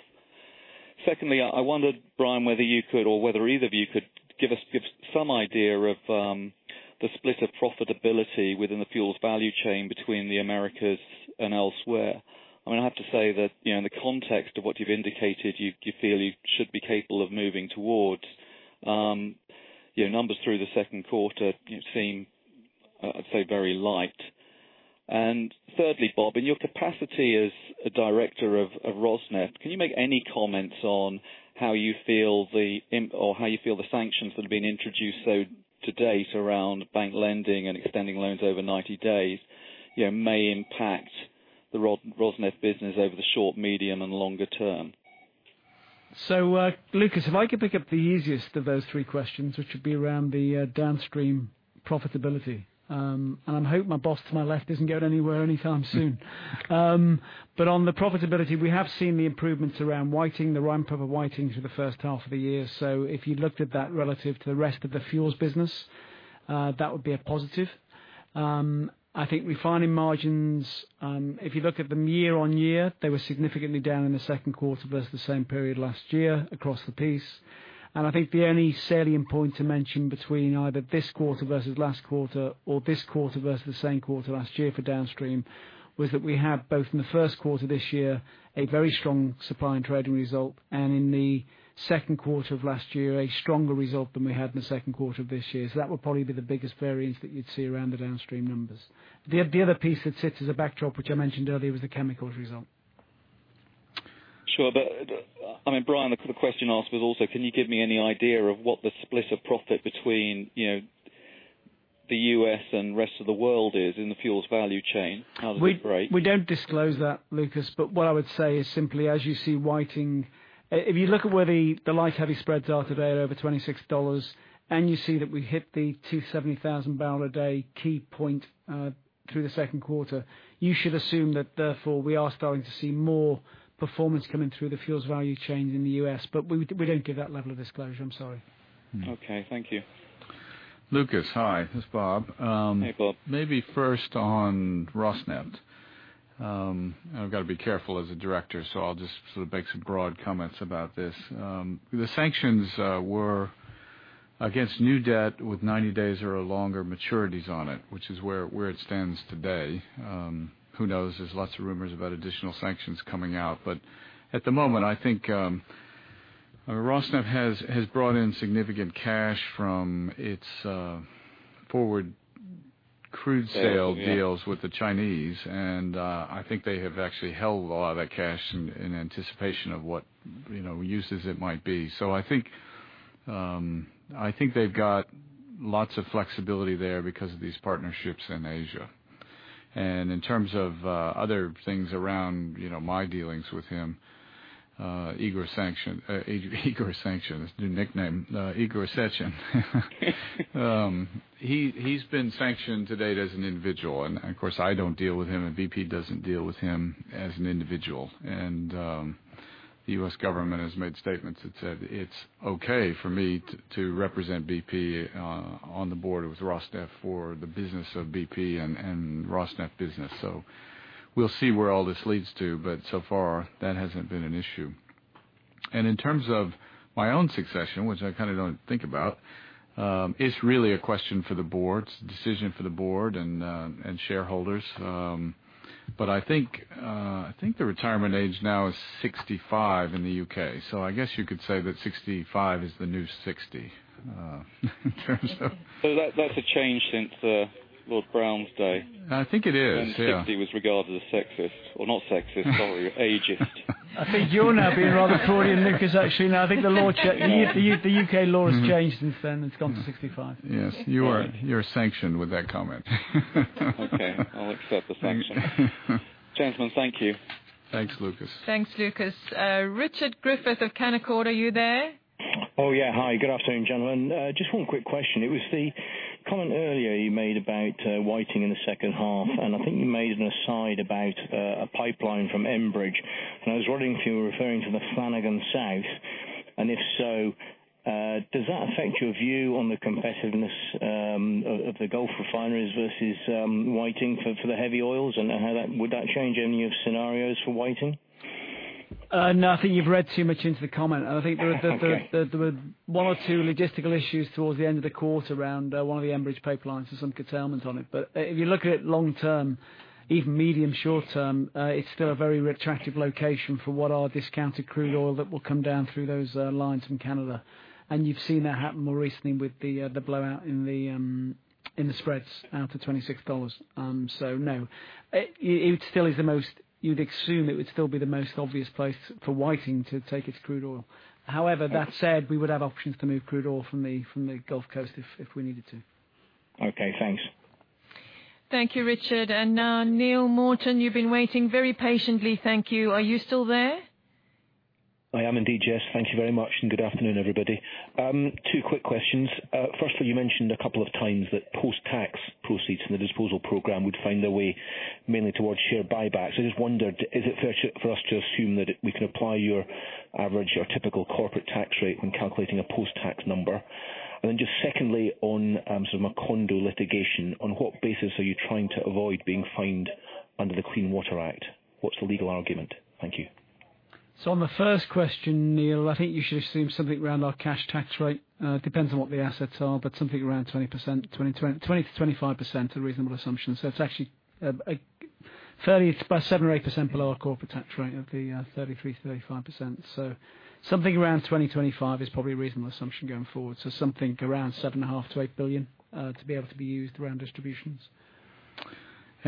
Secondly, I wondered, Brian, whether you could or whether either of you could give us some idea of the split of profitability within the fuels value chain between the Americas and elsewhere. I have to say that in the context of what you've indicated you feel you should be capable of moving towards, your numbers through the second quarter seem, I'd say, very light. Thirdly, Bob, in your capacity as a director of Rosneft, can you make any comments on how you feel the sanctions that have been introduced so to date around bank lending and extending loans over 90 days may impact the Rosneft business over the short, medium, and longer term? Lucas, if I could pick up the easiest of those three questions, which would be around the downstream profitability. I hope my boss to my left isn't going anywhere anytime soon. On the profitability, we have seen the improvements around Whiting, the ramp up of Whiting through the first half of the year. If you looked at that relative to the rest of the fuels business, that would be a positive. I think refining margins, if you look at them year on year, they were significantly down in the second quarter versus the same period last year across the piece. I think the only salient point to mention between either this quarter versus last quarter or this quarter versus the same quarter last year for downstream, was that we had both in the first quarter this year, a very strong supply and trading result, and in the second quarter of last year, a stronger result than we had in the second quarter of this year. That would probably be the biggest variance that you'd see around the downstream numbers. The other piece that sits as a backdrop, which I mentioned earlier, was the chemicals result. Sure. Brian, the question asked was also, can you give me any idea of what the split of profit between the U.S. and rest of the world is in the fuels value chain? How does it break? We don't disclose that, Lucas, but what I would say is simply, as you see Whiting, if you look at where the light heavy spreads are today are over $26, and you see that we hit the 270,000 barrel a day key point through the second quarter, you should assume that therefore we are starting to see more performance coming through the fuels value chain in the U.S. But we don't give that level of disclosure. I'm sorry. Okay. Thank you. Lucas. Hi, it's Bob. Hey, Bob. Maybe first on Rosneft. I've got to be careful as a director, so I'll just sort of make some broad comments about this. The sanctions were against new debt with 90 days or longer maturities on it, which is where it stands today. Who knows? There's lots of rumors about additional sanctions coming out. At the moment, I think Rosneft has brought in significant cash from its forward crude sale deals with the Chinese, and I think they have actually held a lot of that cash in anticipation of what uses it might be. I think they've got lots of flexibility there because of these partnerships in Asia. In terms of other things around my dealings with him, Igor sanction. Igor sanction is the new nickname. Igor Sechin. He's been sanctioned to date as an individual, and of course, I don't deal with him, and BP doesn't deal with him as an individual. The U.S. government has made statements that said it's okay for me to represent BP on the board with Rosneft for the business of BP and Rosneft business. We'll see where all this leads to, but so far, that hasn't been an issue. In terms of my own succession, which I kind of don't think about, it's really a question for the board, decision for the board and shareholders. I think the retirement age now is 65 in the U.K. I guess you could say that 65 is the new 60 in terms of- That's a change since Lord Browne's day. I think it is. Yeah. When 60 was regarded as sexist. not sexist, sorry, ageist. I think you're now being rather thorny, Lucas, actually. No, I think the U.K. law has changed since then. It's gone to 65. Yes. You're sanctioned with that comment. Okay. I'll accept the sanction. Gentlemen, thank you. Thanks, Lucas. Thanks, Lucas. Richard Griffith of Canaccord, are you there? Oh, yeah. Hi, good afternoon, gentlemen. Just one quick question. It was the comment earlier you made about Whiting in the second half, and I think you made an aside about a pipeline from Enbridge. I was wondering if you were referring to the Flanagan South, and if so, does that affect your view on the competitiveness of the Gulf refineries versus Whiting for the heavy oils, and would that change any of your scenarios for Whiting? No, I think you've read too much into the comment. I think there were- Okay one or two logistical issues towards the end of the quarter around one of the Enbridge pipelines. There's some curtailment on it. If you look at it long-term, even medium, short-term, it's still a very attractive location for what are discounted crude oil that will come down through those lines from Canada. You've seen that happen more recently with the blowout in the spreads out to $26. No. You'd assume it would still be the most obvious place for Whiting to take its crude oil. However, that said, we would have options to move crude oil from the Gulf Coast if we needed to. Okay, thanks. Thank you, Richard. Now, Neil Morton, you've been waiting very patiently. Thank you. Are you still there? I am indeed, Jess. Thank you very much and good afternoon, everybody. Two quick questions. First one, you mentioned a couple of times that post-tax proceeds from the disposal program would find their way mainly towards share buybacks. I just wondered, is it fair for us to assume that we can apply your average or typical corporate tax rate when calculating a post-tax number? Then just secondly, on some Macondo litigation, on what basis are you trying to avoid being fined under the Clean Water Act? What's the legal argument? Thank you. On the first question, Neil, I think you should assume something around our cash tax rate. Depends on what the assets are, but something around 20%, 20 to 25% is a reasonable assumption. It's actually by 7 or 8% below our corporate tax rate of the 33, 35%. Something around 20, 25 is probably a reasonable assumption going forward. Something around $7.5 billion-$8 billion to be able to be used around distributions.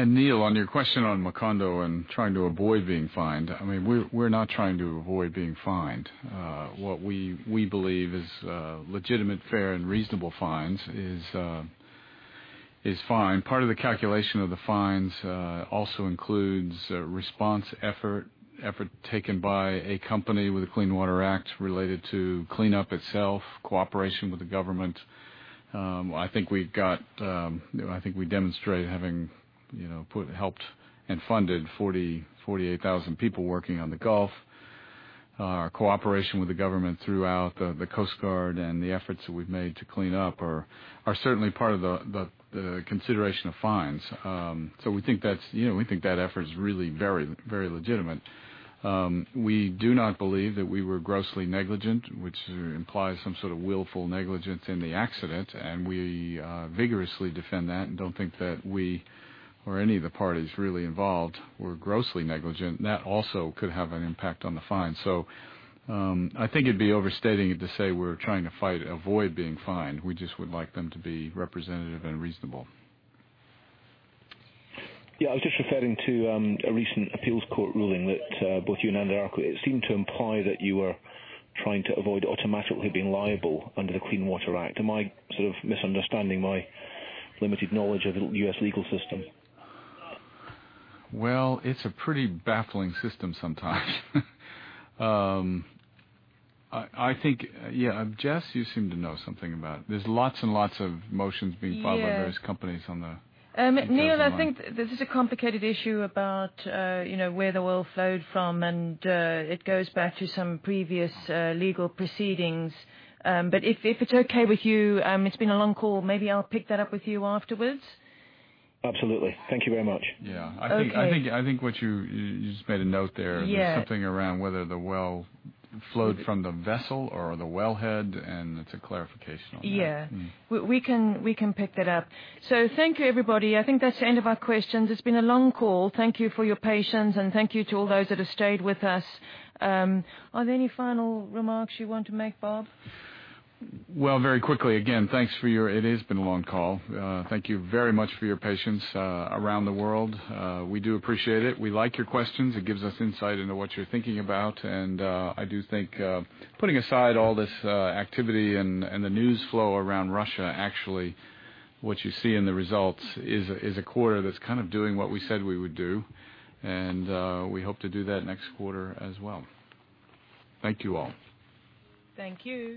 Neil, on your question on Macondo and trying to avoid being fined, we're not trying to avoid being fined. What we believe is legitimate, fair, and reasonable fines is fine. Part of the calculation of the fines also includes response effort taken by a company with the Clean Water Act related to cleanup itself, cooperation with the government. I think we demonstrate having helped and funded 48,000 people working on the Gulf. Our cooperation with the government throughout, the Coast Guard and the efforts that we've made to clean up are certainly part of the consideration of fines. We think that effort is really very legitimate. We do not believe that we were grossly negligent, which implies some sort of willful negligence in the accident, and we vigorously defend that and don't think that we or any of the parties really involved were grossly negligent. That also could have an impact on the fine. I think it'd be overstating it to say we're trying to fight, avoid being fined. We just would like them to be representative and reasonable. I was just referring to a recent appeals court ruling that both you and Anadarko, it seemed to imply that you were trying to avoid automatically being liable under the Clean Water Act. Am I sort of misunderstanding my limited knowledge of the U.S. legal system? Well, it's a pretty baffling system sometimes. Jess, you seem to know something about it. There's lots and lots of motions being filed- Yeah by various companies on the- Neil, I think this is a complicated issue about where the well flowed from, and it goes back to some previous legal proceedings. If it's okay with you, it's been a long call, maybe I'll pick that up with you afterwards. Absolutely. Thank you very much. Yeah. Okay. I think you just made a note there. Yeah. There's something around whether the well flowed from the vessel or the wellhead, and it's a clarification on that. Yeah. We can pick that up. Thank you, everybody. I think that's the end of our questions. It's been a long call. Thank you for your patience, and thank you to all those that have stayed with us. Are there any final remarks you want to make, Bob? Well, very quickly, again, thanks for your. It has been a long call. Thank you very much for your patience around the world. We do appreciate it. We like your questions. It gives us insight into what you're thinking about. I do think putting aside all this activity and the news flow around Russia, actually, what you see in the results is a quarter that's kind of doing what we said we would do. We hope to do that next quarter as well. Thank you all. Thank you.